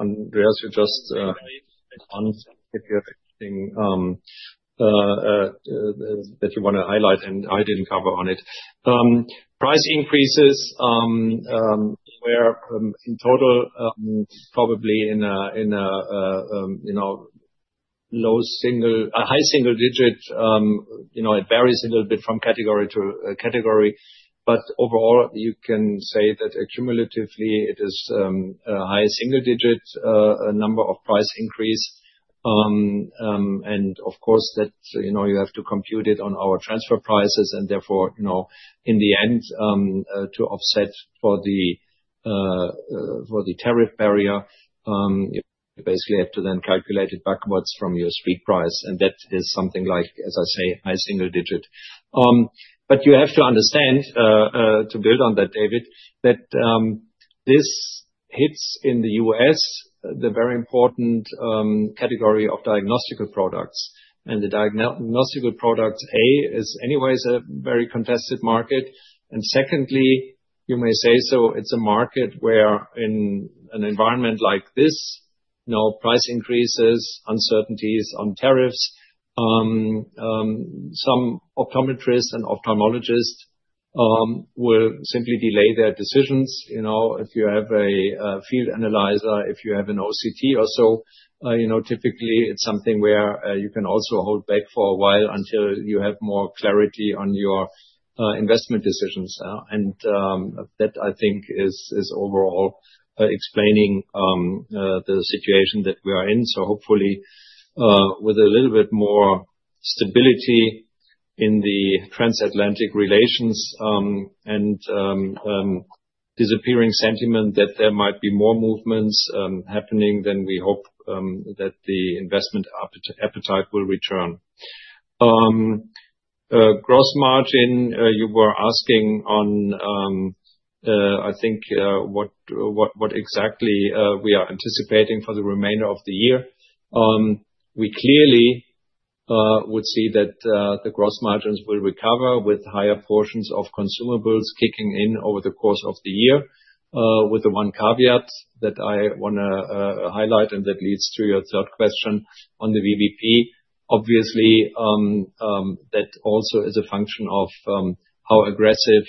Speaker 3: Andreas, you just, if you have anything that you wanna highlight, and I didn't cover on it. Price increases, where, in total, probably in a, in a, a, you know, low single... a high single digit, you know, it varies a little bit from category to, category, but overall, you can say that accumulatively, it is, a high single digit, number of price increase. And of course, that, you know, you have to compute it on our transfer prices, and therefore, you know, in the end, to offset for the, for the tariff barrier, you basically have to then calculate it backwards from your street price, and that is something like, as I say, high single digit. But you have to understand, to build on that, David, that this hits in the U.S., the very important category of diagnostic products. And the diagnostic products is anyways a very contested market, and secondly, you may say, so it's a market where in an environment like this, you know, price increases, uncertainties on tariffs, some optometrists and ophthalmologists will simply delay their decisions. You know, if you have a field analyzer, if you have an OCT or so, you know, typically, it's something where you can also hold back for a while, until you have more clarity on your investment decisions. And that I think is overall explaining the situation that we are in. So hopefully, with a little bit more stability in the transatlantic relations, and disappearing sentiment, that there might be more movements happening, then we hope that the investment appetite will return. Gross margin, you were asking on, I think, what exactly we are anticipating for the remainder of the year. We clearly would see that the gross margins will recover with higher portions of consumables kicking in over the course of the year, with the one caveat that I wanna highlight, and that leads to your third question on the VBP. Obviously, that also is a function of how aggressive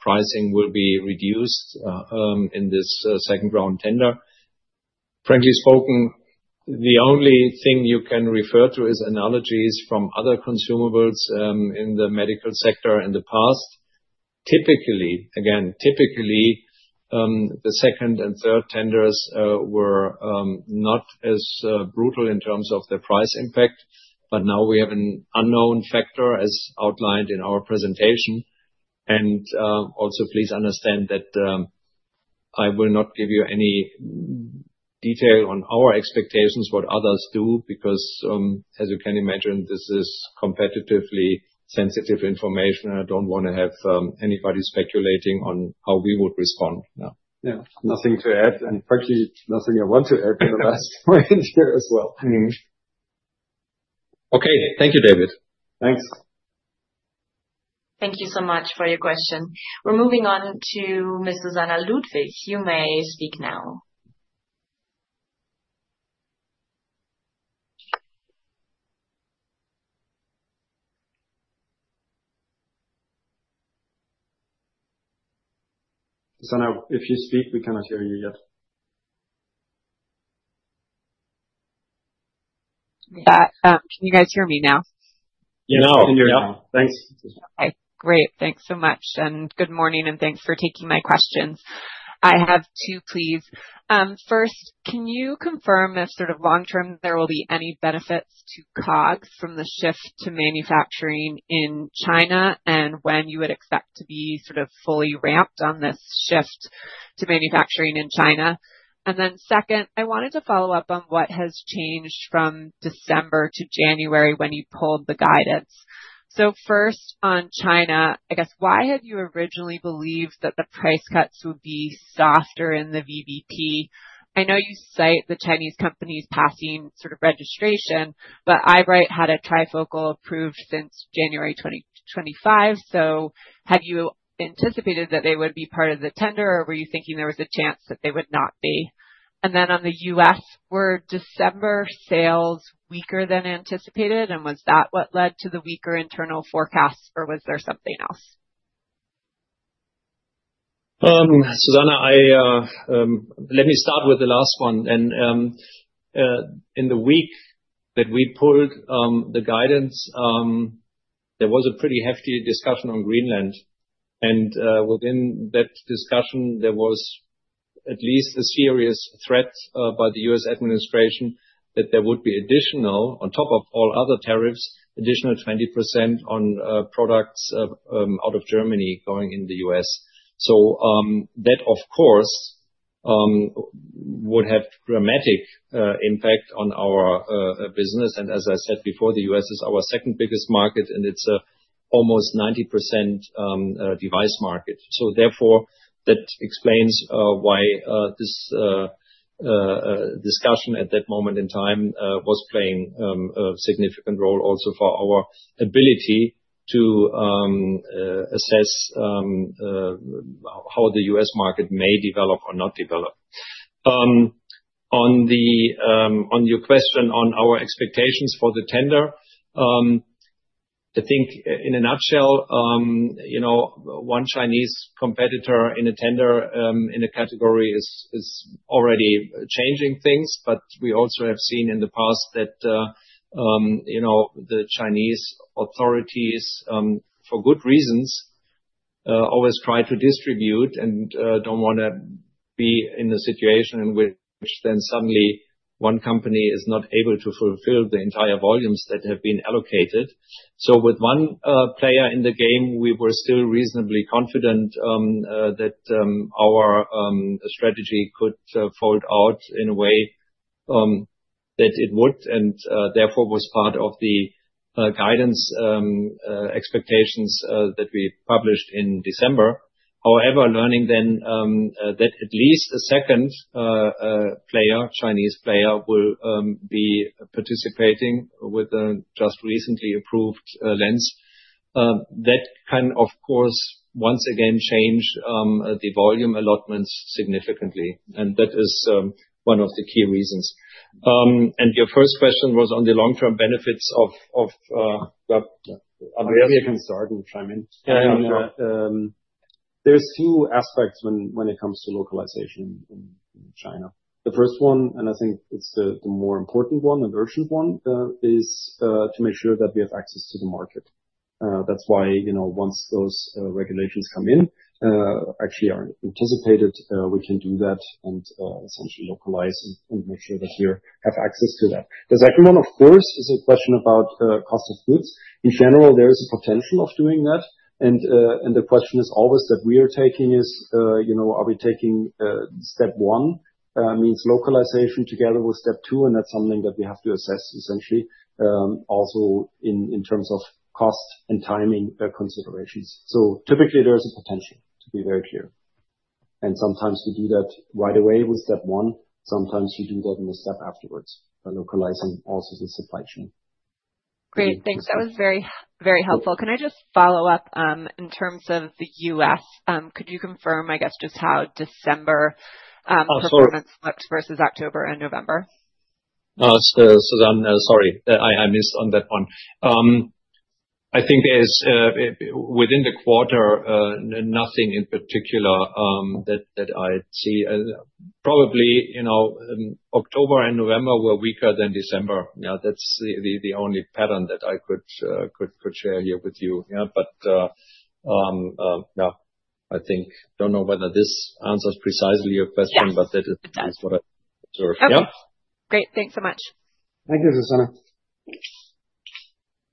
Speaker 3: pricing will be reduced in this second round tender. Frankly spoken, the only thing you can refer to is analogies from other consumables in the medical sector in the past. Typically, the second and third tenders were not as brutal in terms of their price impact, but now we have an unknown factor, as outlined in our presentation. And, also, please understand that I will not give you any detail on our expectations, what others do, because, as you can imagine, this is competitively sensitive information, and I don't wanna have anybody speculating on how we would respond now.
Speaker 1: Yeah, nothing to add, and frankly, nothing I want to add in the last point there as well.
Speaker 3: Okay. Thank you, David.
Speaker 9: Thanks.
Speaker 4: Thank you so much for your question. We're moving on to Miss Susannah Ludwig. You may speak now.
Speaker 3: Susanna, if you speak, we cannot hear you yet.
Speaker 10: Can you guys hear me now?
Speaker 3: Yes.
Speaker 1: Now. Thanks.
Speaker 10: Okay, great. Thanks so much, and good morning, and thanks for taking my questions. I have two, please. First, can you confirm if, sort of, long term, there will be any benefits to COGS from the shift to manufacturing in China, and when you would expect to be sort of fully ramped on this shift?... to manufacturing in China? Then second, I wanted to follow up on what has changed from December to January, when you pulled the guidance. So first, on China, I guess, why had you originally believed that the price cuts would be softer in the VBP? I know you cite the Chinese companies passing sort of registration, but right had a trifocal approved since January 2025, so had you anticipated that they would be part of the tender, or were you thinking there was a chance that they would not be? On the U.S., were December sales weaker than anticipated, and was that what led to the weaker internal forecasts, or was there something else?
Speaker 3: Susanna, let me start with the last one. In the week that we pulled the guidance, there was a pretty hefty discussion on Greenland. Within that discussion, there was at least a serious threat by the U.S. administration that there would be additional, on top of all other tariffs, additional 20% on products out of Germany going in the U.S. That, of course, would have dramatic impact on our business. As I said before, the U.S. is our second biggest market, and it's almost 90% device market. Therefore, that explains why this discussion at that moment in time was playing a significant role also for our ability to assess how the U.S. market may develop or not develop. On your question on our expectations for the tender, I think in a nutshell, you know, one Chinese competitor in a tender in a category is already changing things, but we also have seen in the past that, you know, the Chinese authorities for good reasons always try to distribute and don't wanna be in a situation in which then suddenly one company is not able to fulfill the entire volumes that have been allocated. So with one player in the game, we were still reasonably confident that our strategy could fold out in a way that it would, and therefore was part of the guidance expectations that we published in December. However, learning then that at least a second player, Chinese player, will be participating with a just recently approved lens that can, of course, once again, change the volume allotments significantly, and that is one of the key reasons. And your first question was on the long-term benefits of,
Speaker 2: I can start and chime in.
Speaker 3: Yeah.
Speaker 2: There's two aspects when it comes to localization in China. The first one, and I think it's the more important one, the urgent one, is to make sure that we have access to the market. That's why, you know, once those regulations come in, actually are anticipated, we can do that and essentially localize and make sure that we have access to that. The second one, of course, is a question about cost of goods. In general, there is a potential of doing that, and the question is always that we are taking is, you know, are we taking step one means localization together with step two, and that's something that we have to assess essentially also in terms of cost and timing considerations. Typically, there is a potential, to be very clear. Sometimes we do that right away with step one, sometimes you do that in a step afterwards, by localizing also the supply chain.
Speaker 7: Great, thanks. That was very, very helpful. Can I just follow up, in terms of the U.S., could you confirm, I guess, just how December performance-
Speaker 3: Oh, sorry.
Speaker 7: looked versus October and November?
Speaker 3: So Susanna, sorry, I missed on that one. I think as within the quarter, nothing in particular that I see. Probably, you know, October and November were weaker than December. Yeah, that's the only pattern that I could share here with you. Yeah, but yeah, I think... Don't know whether this answers precisely your question-
Speaker 7: Yes.
Speaker 3: But that is what I observed.
Speaker 7: Okay.
Speaker 3: Yeah.
Speaker 10: Great. Thanks so much.
Speaker 2: Thank you, Susanna.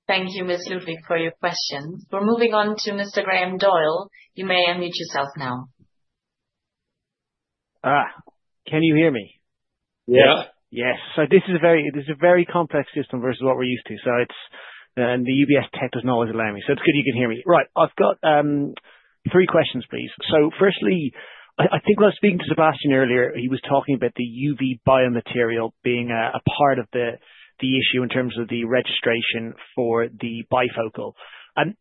Speaker 4: Thank you, Ms. Ludwig, for your questions. We're moving on to Mr. Graham Doyle. You may unmute yourself now.
Speaker 11: Ah! Can you hear me?
Speaker 3: Yeah.
Speaker 2: Yes.
Speaker 11: Yes. So this is a very complex system versus what we're used to, so it's good you can hear me. Right. I've got three questions, please. So firstly, I think when I was speaking to Sebastian earlier, he was talking about the UV biomaterial being a part of the issue in terms of the registration for the bifocal. And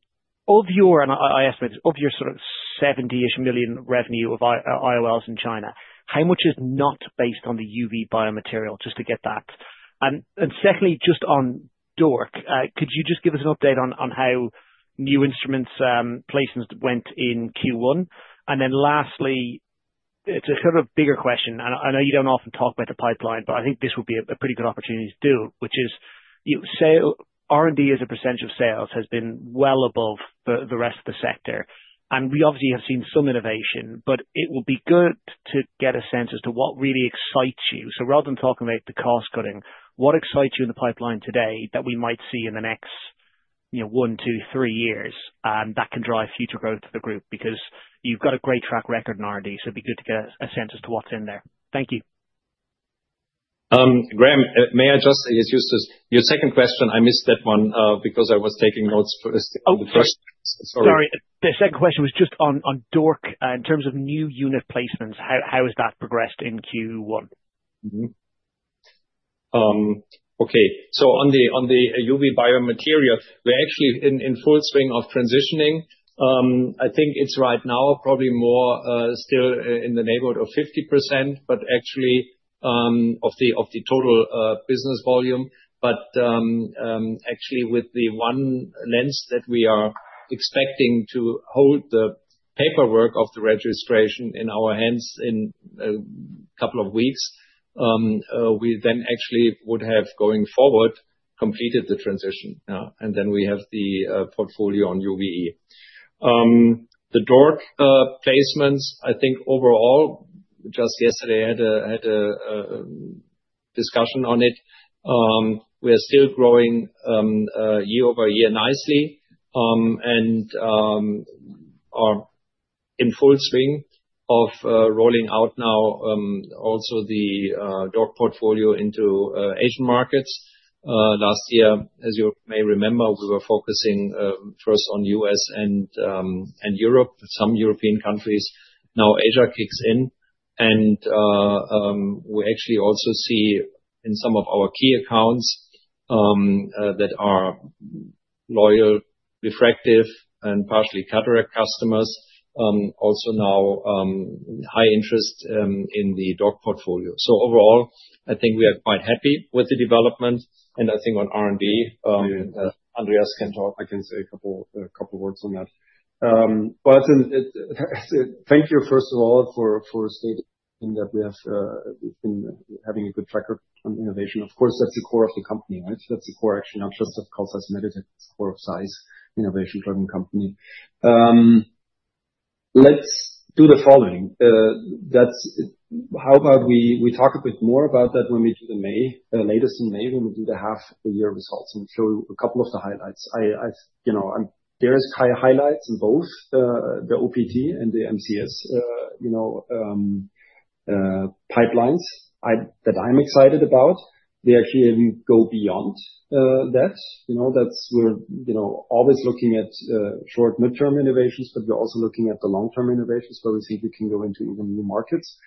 Speaker 11: I ask this, of your sort of 70-ish million revenue of IOLs in China, how much is not based on the UV biomaterial? Just to get that. And secondly, just on DORC, could you just give us an update on how new instruments placements went in Q1? And then lastly, it's a sort of bigger question, and I know you don't often talk about the pipeline, but I think this would be a pretty good opportunity to do, which is, you say R&D as a percentage of sales has been well above the rest of the sector, and we obviously have seen some innovation, but it would be good to get a sense as to what really excites you. So rather than talking about the cost cutting, what excites you in the pipeline today that we might see in the next—you know, one, two, three years, and that can drive future growth to the group. Because you've got a great track record in R&D, so it'd be good to get a sense as to what's in there. Thank you.
Speaker 3: Graham, may I just say, it's just your second question. I missed that one because I was taking notes for the first.
Speaker 11: Oh.
Speaker 3: Sorry.
Speaker 11: Sorry. The second question was just on DORC. In terms of new unit placements, how has that progressed in Q1?
Speaker 3: Mm-hmm. Okay, so on the UV biomaterial, we're actually in full swing of transitioning. I think it's right now probably more still in the neighborhood of 50%, but actually, of the total business volume. But actually, with the one lens that we are expecting to hold the paperwork of the registration in our hands in a couple of weeks, we then actually would have, going forward, completed the transition. And then we have the portfolio on UV. The DORC placements, I think overall, just yesterday, I had a discussion on it. We are still growing year-over-year nicely, and are in full swing of rolling out now also the DORC portfolio into Asian markets. Last year, as you may remember, we were focusing first on the U.S. and Europe, some European countries. Now Asia kicks in, and we actually also see in some of our key accounts that are loyal refractive and partially cataract customers also now high interest in the DORC portfolio. So overall, I think we are quite happy with the development, and I think on R&D, Andreas can talk. I can say a couple words on that. But thank you, first of all, for stating that we've been having a good tracker on innovation. Of course, that's the core of the company, right? That's the core, actually, not just of ZEISS Meditec, it's the core of ZEISS, innovation-driven company. Let's do the following. That's how about we talk a bit more about that when we do the May latest in May, when we do the half year results and show a couple of the highlights. I, you know, I'm - there is high highlights in both the OPT and the MCS, you know, pipelines that I'm excited about. They actually go beyond that. You know, that's where, you know, always looking at short, mid-term innovations, but we're also looking at the long-term innovations, where we see if we can go into even new markets.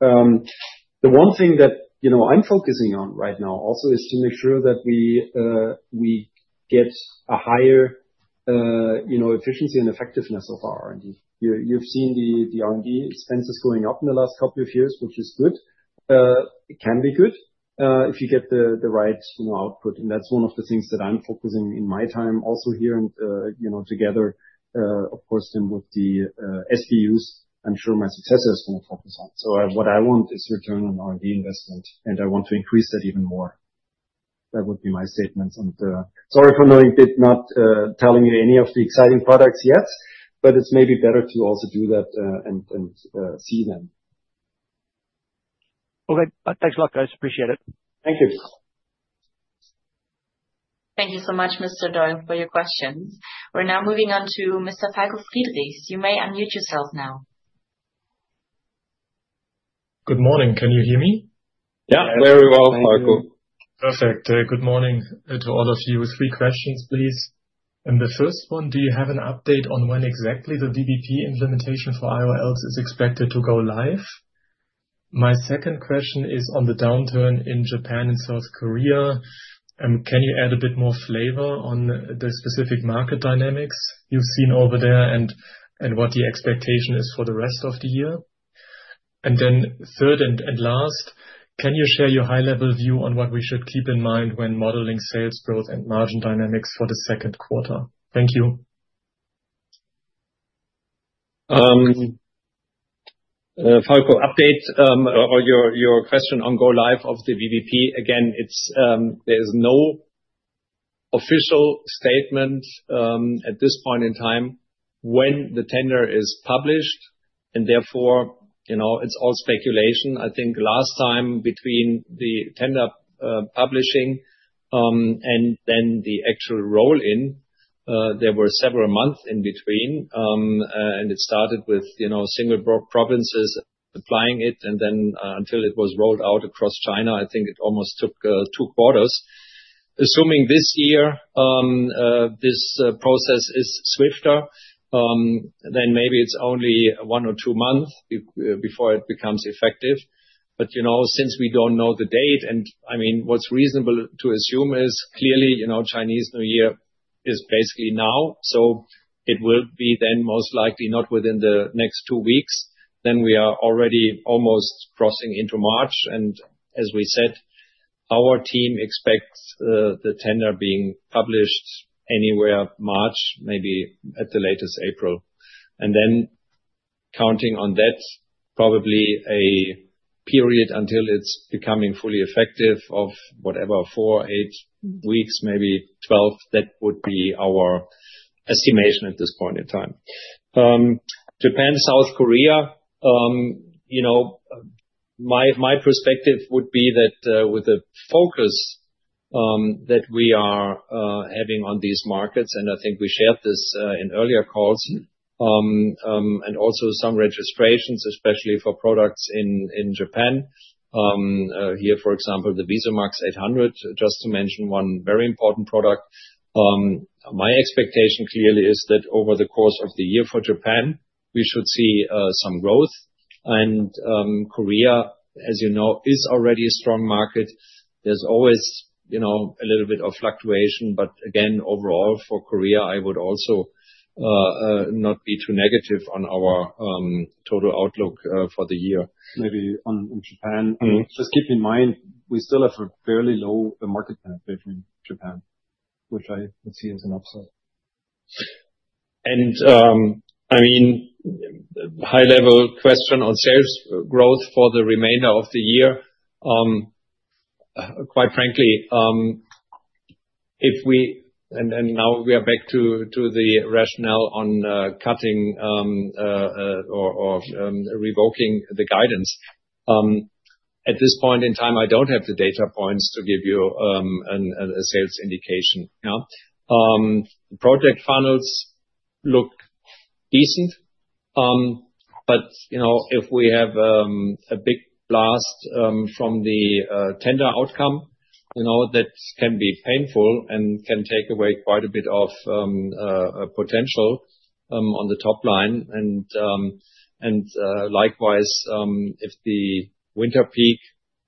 Speaker 3: The one thing that, you know, I'm focusing on right now also is to make sure that we get a higher, you know, efficiency and effectiveness of our R&D. You've seen the R&D expenses going up in the last couple of years, which is good. It can be good if you get the right, you know, output. And that's one of the things that I'm focusing in my time also here and, you know, together, of course, then with the SBUs, I'm sure my successor is going to focus on. So what I want is return on R&D investment, and I want to increase that even more. That would be my statement on the... Sorry for knowing a bit, not telling you any of the exciting products yet, but it's maybe better to also do that, and see them.
Speaker 11: Okay. Thanks a lot, guys. Appreciate it.
Speaker 3: Thank you.
Speaker 4: Thank you so much, Mr. Doyle, for your questions. We're now moving on to Mr. Falko Friedrichs. You may unmute yourself now.
Speaker 12: Good morning. Can you hear me?
Speaker 3: Yeah, very well, Falko.
Speaker 12: Perfect. Good morning to all of you. Three questions, please. And the first one, do you have an update on when exactly the VBP implementation for IOLs is expected to go live? My second question is on the downturn in Japan and South Korea. Can you add a bit more flavor on the specific market dynamics you've seen over there, and what the expectation is for the rest of the year? And then third and last, can you share your high-level view on what we should keep in mind when modeling sales growth and margin dynamics for the second quarter? Thank you.
Speaker 3: Falko, update on your question on go live of the VBP. Again, there's no official statement at this point in time when the tender is published, and therefore, you know, it's all speculation. I think last time between the tender publishing and then the actual roll-in there were several months in between. And it started with, you know, single provinces applying it, and then until it was rolled out across China, I think it almost took two quarters. Assuming this year this process is swifter, then maybe it's only one or two months before it becomes effective. You know, since we don't know the date, and I mean, what's reasonable to assume is clearly, you know, Chinese New Year is basically now, so it will be then most likely not within the next 2 weeks, then we are already almost crossing into March. And as we said, our team expects the tender being published anywhere March, maybe at the latest, April. And then counting on that, probably a period until it's becoming fully effective of whatever, 4, 8 weeks, maybe 12, that would be our estimation at this point in time. Japan, South Korea, you know, my perspective would be that, with the focus that we are having on these markets, and I think we shared this in earlier calls, and also some registrations, especially for products in Japan, here, for example, the VISUMAX 800, just to mention one very important product. My expectation clearly is that over the course of the year for Japan, we should see some growth. And, Korea, as you know, is already a strong market. There's always, you know, a little bit of fluctuation, but again, overall, for Korea, I would also not be too negative on our total outlook for the year.
Speaker 12: Maybe on, in Japan-
Speaker 3: Mm-hmm.
Speaker 12: Just keep in mind, we still have a fairly low market penetration in Japan, which I would see as an upside.
Speaker 3: I mean, high level question on sales growth for the remainder of the year. Quite frankly, and now we are back to the rationale on cutting or revoking the guidance. At this point in time, I don't have the data points to give you a sales indication now. Project funnels look decent, but you know, if we have a big blast from the tender outcome, you know, that can be painful and can take away quite a bit of potential on the top line. Likewise, if the winter peak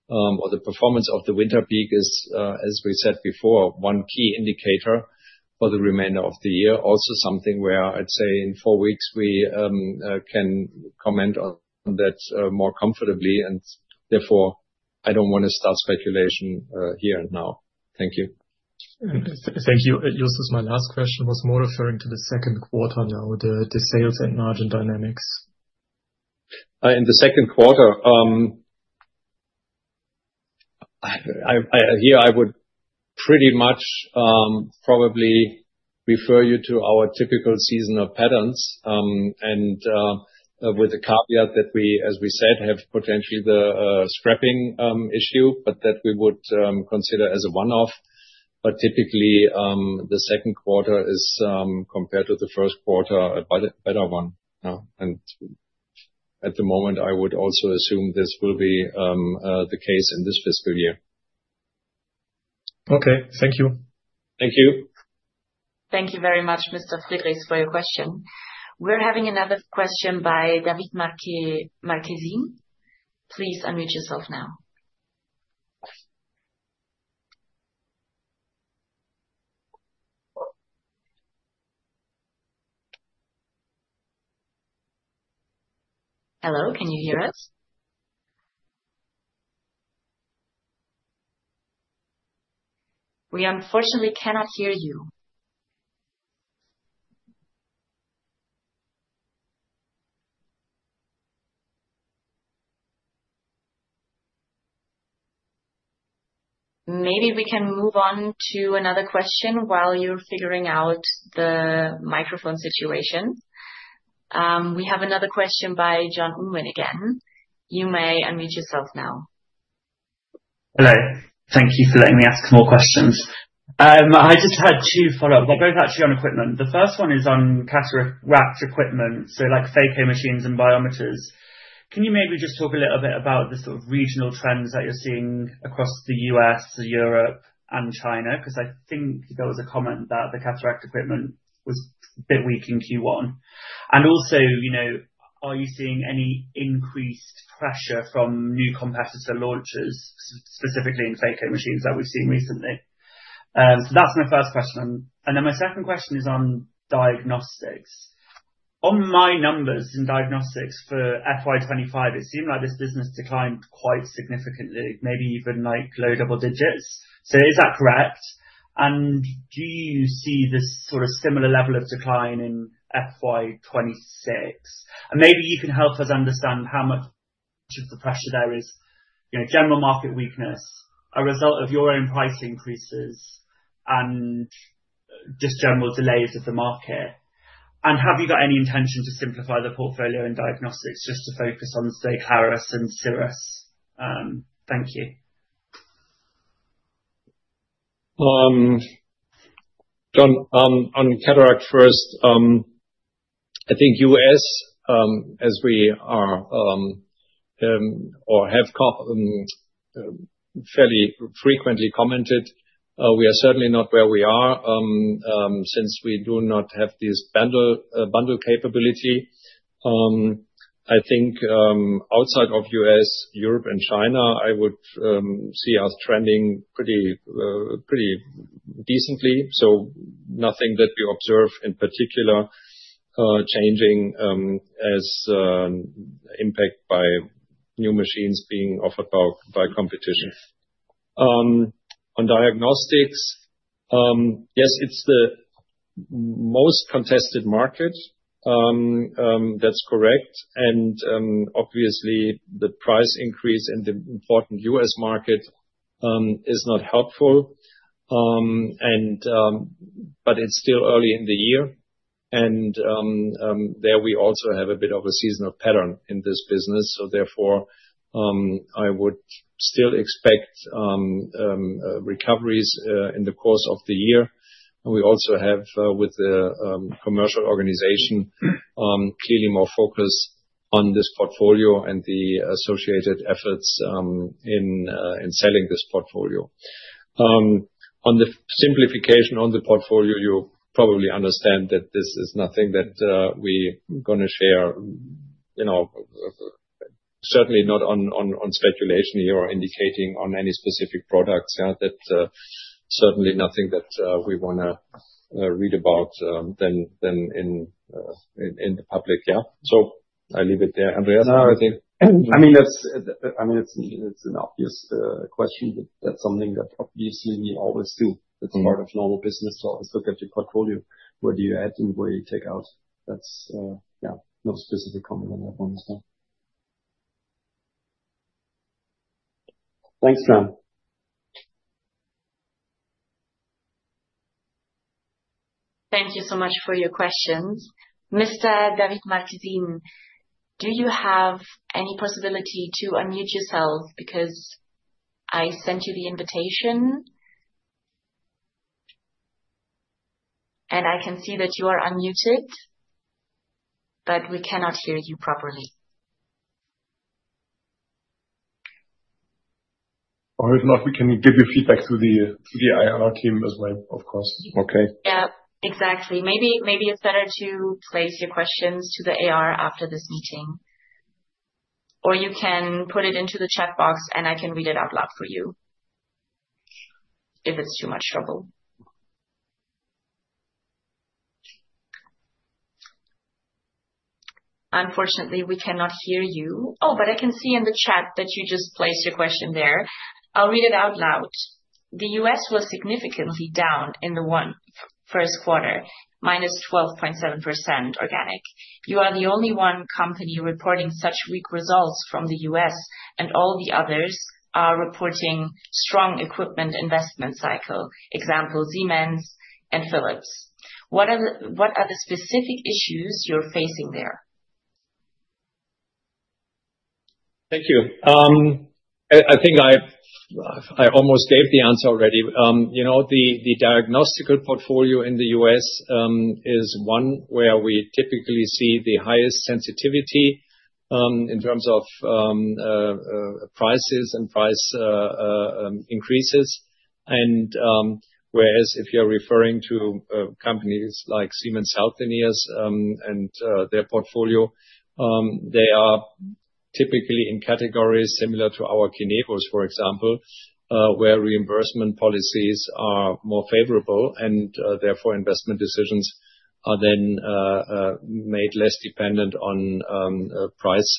Speaker 3: or the performance of the winter peak is as we said before, one key indicator for the remainder of the year. Also something where I'd say in four weeks, we can comment on that more comfortably, and therefore, I don't want to start speculation here and now. Thank you.
Speaker 12: Thank you. This is my last question, was more referring to the second quarter now, the sales and margin dynamics.
Speaker 3: In the second quarter, I would pretty much probably refer you to our typical seasonal patterns, and with the caveat that we, as we said, have potentially the scrapping issue, but that we would consider as a one-off. But typically, the second quarter is compared to the first quarter, a better, better one, yeah. And at the moment, I would also assume this will be the case in this fiscal year.
Speaker 12: Okay, thank you.
Speaker 3: Thank you.
Speaker 4: Thank you very much, Mr. Friedrichs, for your question. We're having another question by David Martins. Please unmute yourself now. Hello, can you hear us? We unfortunately cannot hear you. Maybe we can move on to another question while you're figuring out the microphone situation. We have another question by Jan Unruhe, again. You may unmute yourself now.
Speaker 6: Hello. Thank you for letting me ask more questions. I just had two follow-up, they're both actually on equipment. The first one is on cataract equipment, so like phaco machines and biometers. Can you maybe just talk a little bit about the sort of regional trends that you're seeing across the U.S., Europe, and China? Because I think there was a comment that the cataract equipment was a bit weak in Q1. And also, you know, are you seeing any increased pressure from new competitor launches, specifically in phaco machines that we've seen recently? So that's my first question. And then my second question is on diagnostics. On my numbers in diagnostics for FY 2025, it seemed like this business declined quite significantly, maybe even, like, low double digits. So is that correct? And do you see this sort of similar level of decline in FY 2026? And maybe you can help us understand how much of the pressure there is, you know, general market weakness, a result of your own price increases, and just general delays of the market. And have you got any intention to simplify the portfolio in diagnostics, just to focus on, say, HFA and Cirrus? Thank you.
Speaker 3: John, on cataract first, I think U.S., as we are, or have fairly frequently commented, we are certainly not where we are, since we do not have this bundle, bundle capability. I think, outside of U.S., Europe and China, I would see us trending pretty, pretty decently. Nothing that we observe in particular, changing, as impact by new machines being offered by, by competition. On diagnostics, yes, it's the most contested market. That's correct. Obviously, the price increase in the important U.S. market is not helpful, and, but it's still early in the year. And, there we also have a bit of a seasonal pattern in this business, so therefore, I would still expect recoveries in the course of the year. And we also have, with the, commercial organization, clearly more focused on this portfolio and the associated efforts, in, in selling this portfolio. On the simplification on the portfolio, you probably understand that this is nothing that, we gonna share, you know, certainly not on speculation here or indicating on any specific products, yeah? That, certainly nothing that, we wanna, read about, than in, in, in the public, yeah. So I leave it there, Andreas?
Speaker 1: No, I think, I mean, that's, I mean, it's, it's an obvious question. That's something that obviously we always do.
Speaker 3: Mm.
Speaker 1: It's part of normal business to always look at your portfolio, where do you add and where you take out. That's, yeah, no specific comment on that one, so.
Speaker 3: Thanks, John.
Speaker 1: Thank you so much for your questions. Mr. David Martine, do you have any possibility to unmute yourself? Because I sent you the invitation. I can see that you are unmuted, but we cannot hear you properly. Or if not, we can give you feedback to the IR team as well, of course.
Speaker 3: Okay.
Speaker 1: Yeah. Exactly. Maybe, maybe it's better to place your questions to the AR after this meeting. Or you can put it into the chat box, and I can read it out loud for you, if it's too much trouble. Unfortunately, we cannot hear you. Oh, but I can see in the chat that you just placed your question there. I'll read it out loud. "The US was significantly down in the first quarter, -12.7% organic. You are the only one company reporting such weak results from the US, and all the others are reporting strong equipment investment cycle, example, Siemens and Philips. What are the, what are the specific issues you're facing there?
Speaker 3: Thank you. I think I've almost gave the answer already. You know, the diagnostic portfolio in the U.S. is one where we typically see the highest sensitivity in terms of prices and price increases. And whereas, if you're referring to companies like Siemens Healthineers and their portfolio, they are typically in categories similar to our neighbors, for example, where reimbursement policies are more favorable, and therefore, investment decisions are then made less dependent on price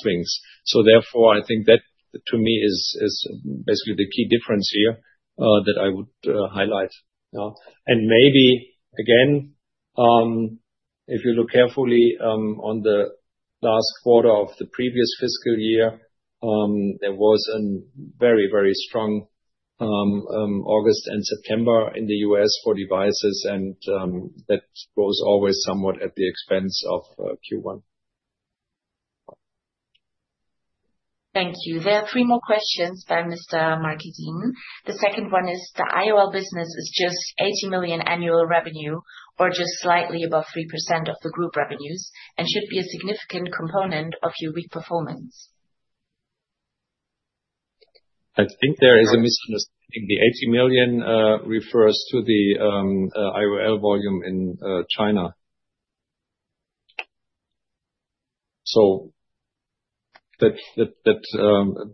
Speaker 3: swings. So therefore, I think that, to me, is basically the key difference here that I would highlight, yeah. Maybe, again, if you look carefully, on the last quarter of the previous fiscal year, there was a very, very strong August and September in the U.S. for devices, and that was always somewhat at the expense of Q1.
Speaker 1: Thank you. There are three more questions by Mr. Martine. The second one is: "The IOL business is just 80 million annual revenue, or just slightly above 3% of the group revenues, and should be a significant component of your weak performance.
Speaker 3: I think there is a misunderstanding. The 80 million refers to the IOL volume in China. So that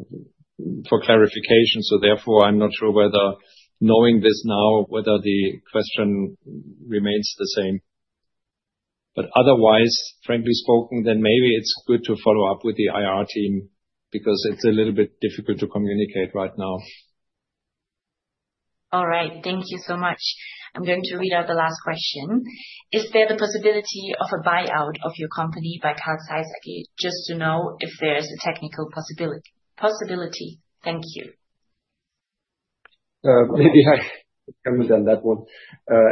Speaker 3: for clarification, so therefore, I'm not sure whether knowing this now, whether the question remains the same. But otherwise, frankly spoken, then maybe it's good to follow up with the IR team, because it's a little bit difficult to communicate right now.
Speaker 1: All right. Thank you so much. I'm going to read out the last question: "Is there the possibility of a buyout of your company by Carl Zeiss? Just to know if there's a technical possibility. Thank you. Maybe I can do that one.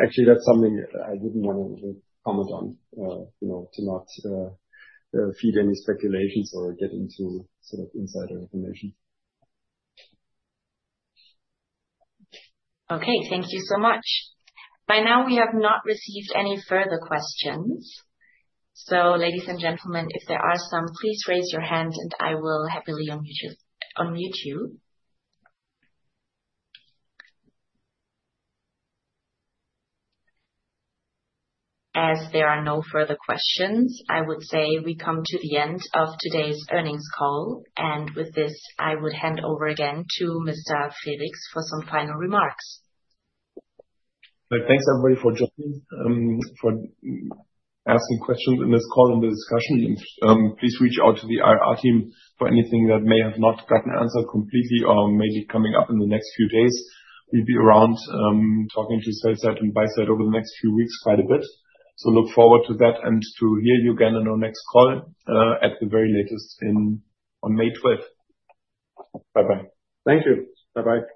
Speaker 1: Actually, that's something I wouldn't want to comment on, you know, to not feed any speculations or get into sort of insider information. Okay, thank you so much. By now, we have not received any further questions, so ladies and gentlemen, if there are some, please raise your hand, and I will happily unmute you, unmute you. As there are no further questions, I would say we come to the end of today's earnings call, and with this, I would hand over again to Mr. Felix for some final remarks. Thanks, everybody, for joining, for asking questions in this call and the discussion. Please reach out to the IR team for anything that may have not gotten answered completely or may be coming up in the next few days. We'll be around, talking to sell side and buy side over the next few weeks quite a bit. So look forward to that, and to hear you again on our next call, at the very latest in, on May fifth. Bye-bye.
Speaker 3: Thank you. Bye-bye.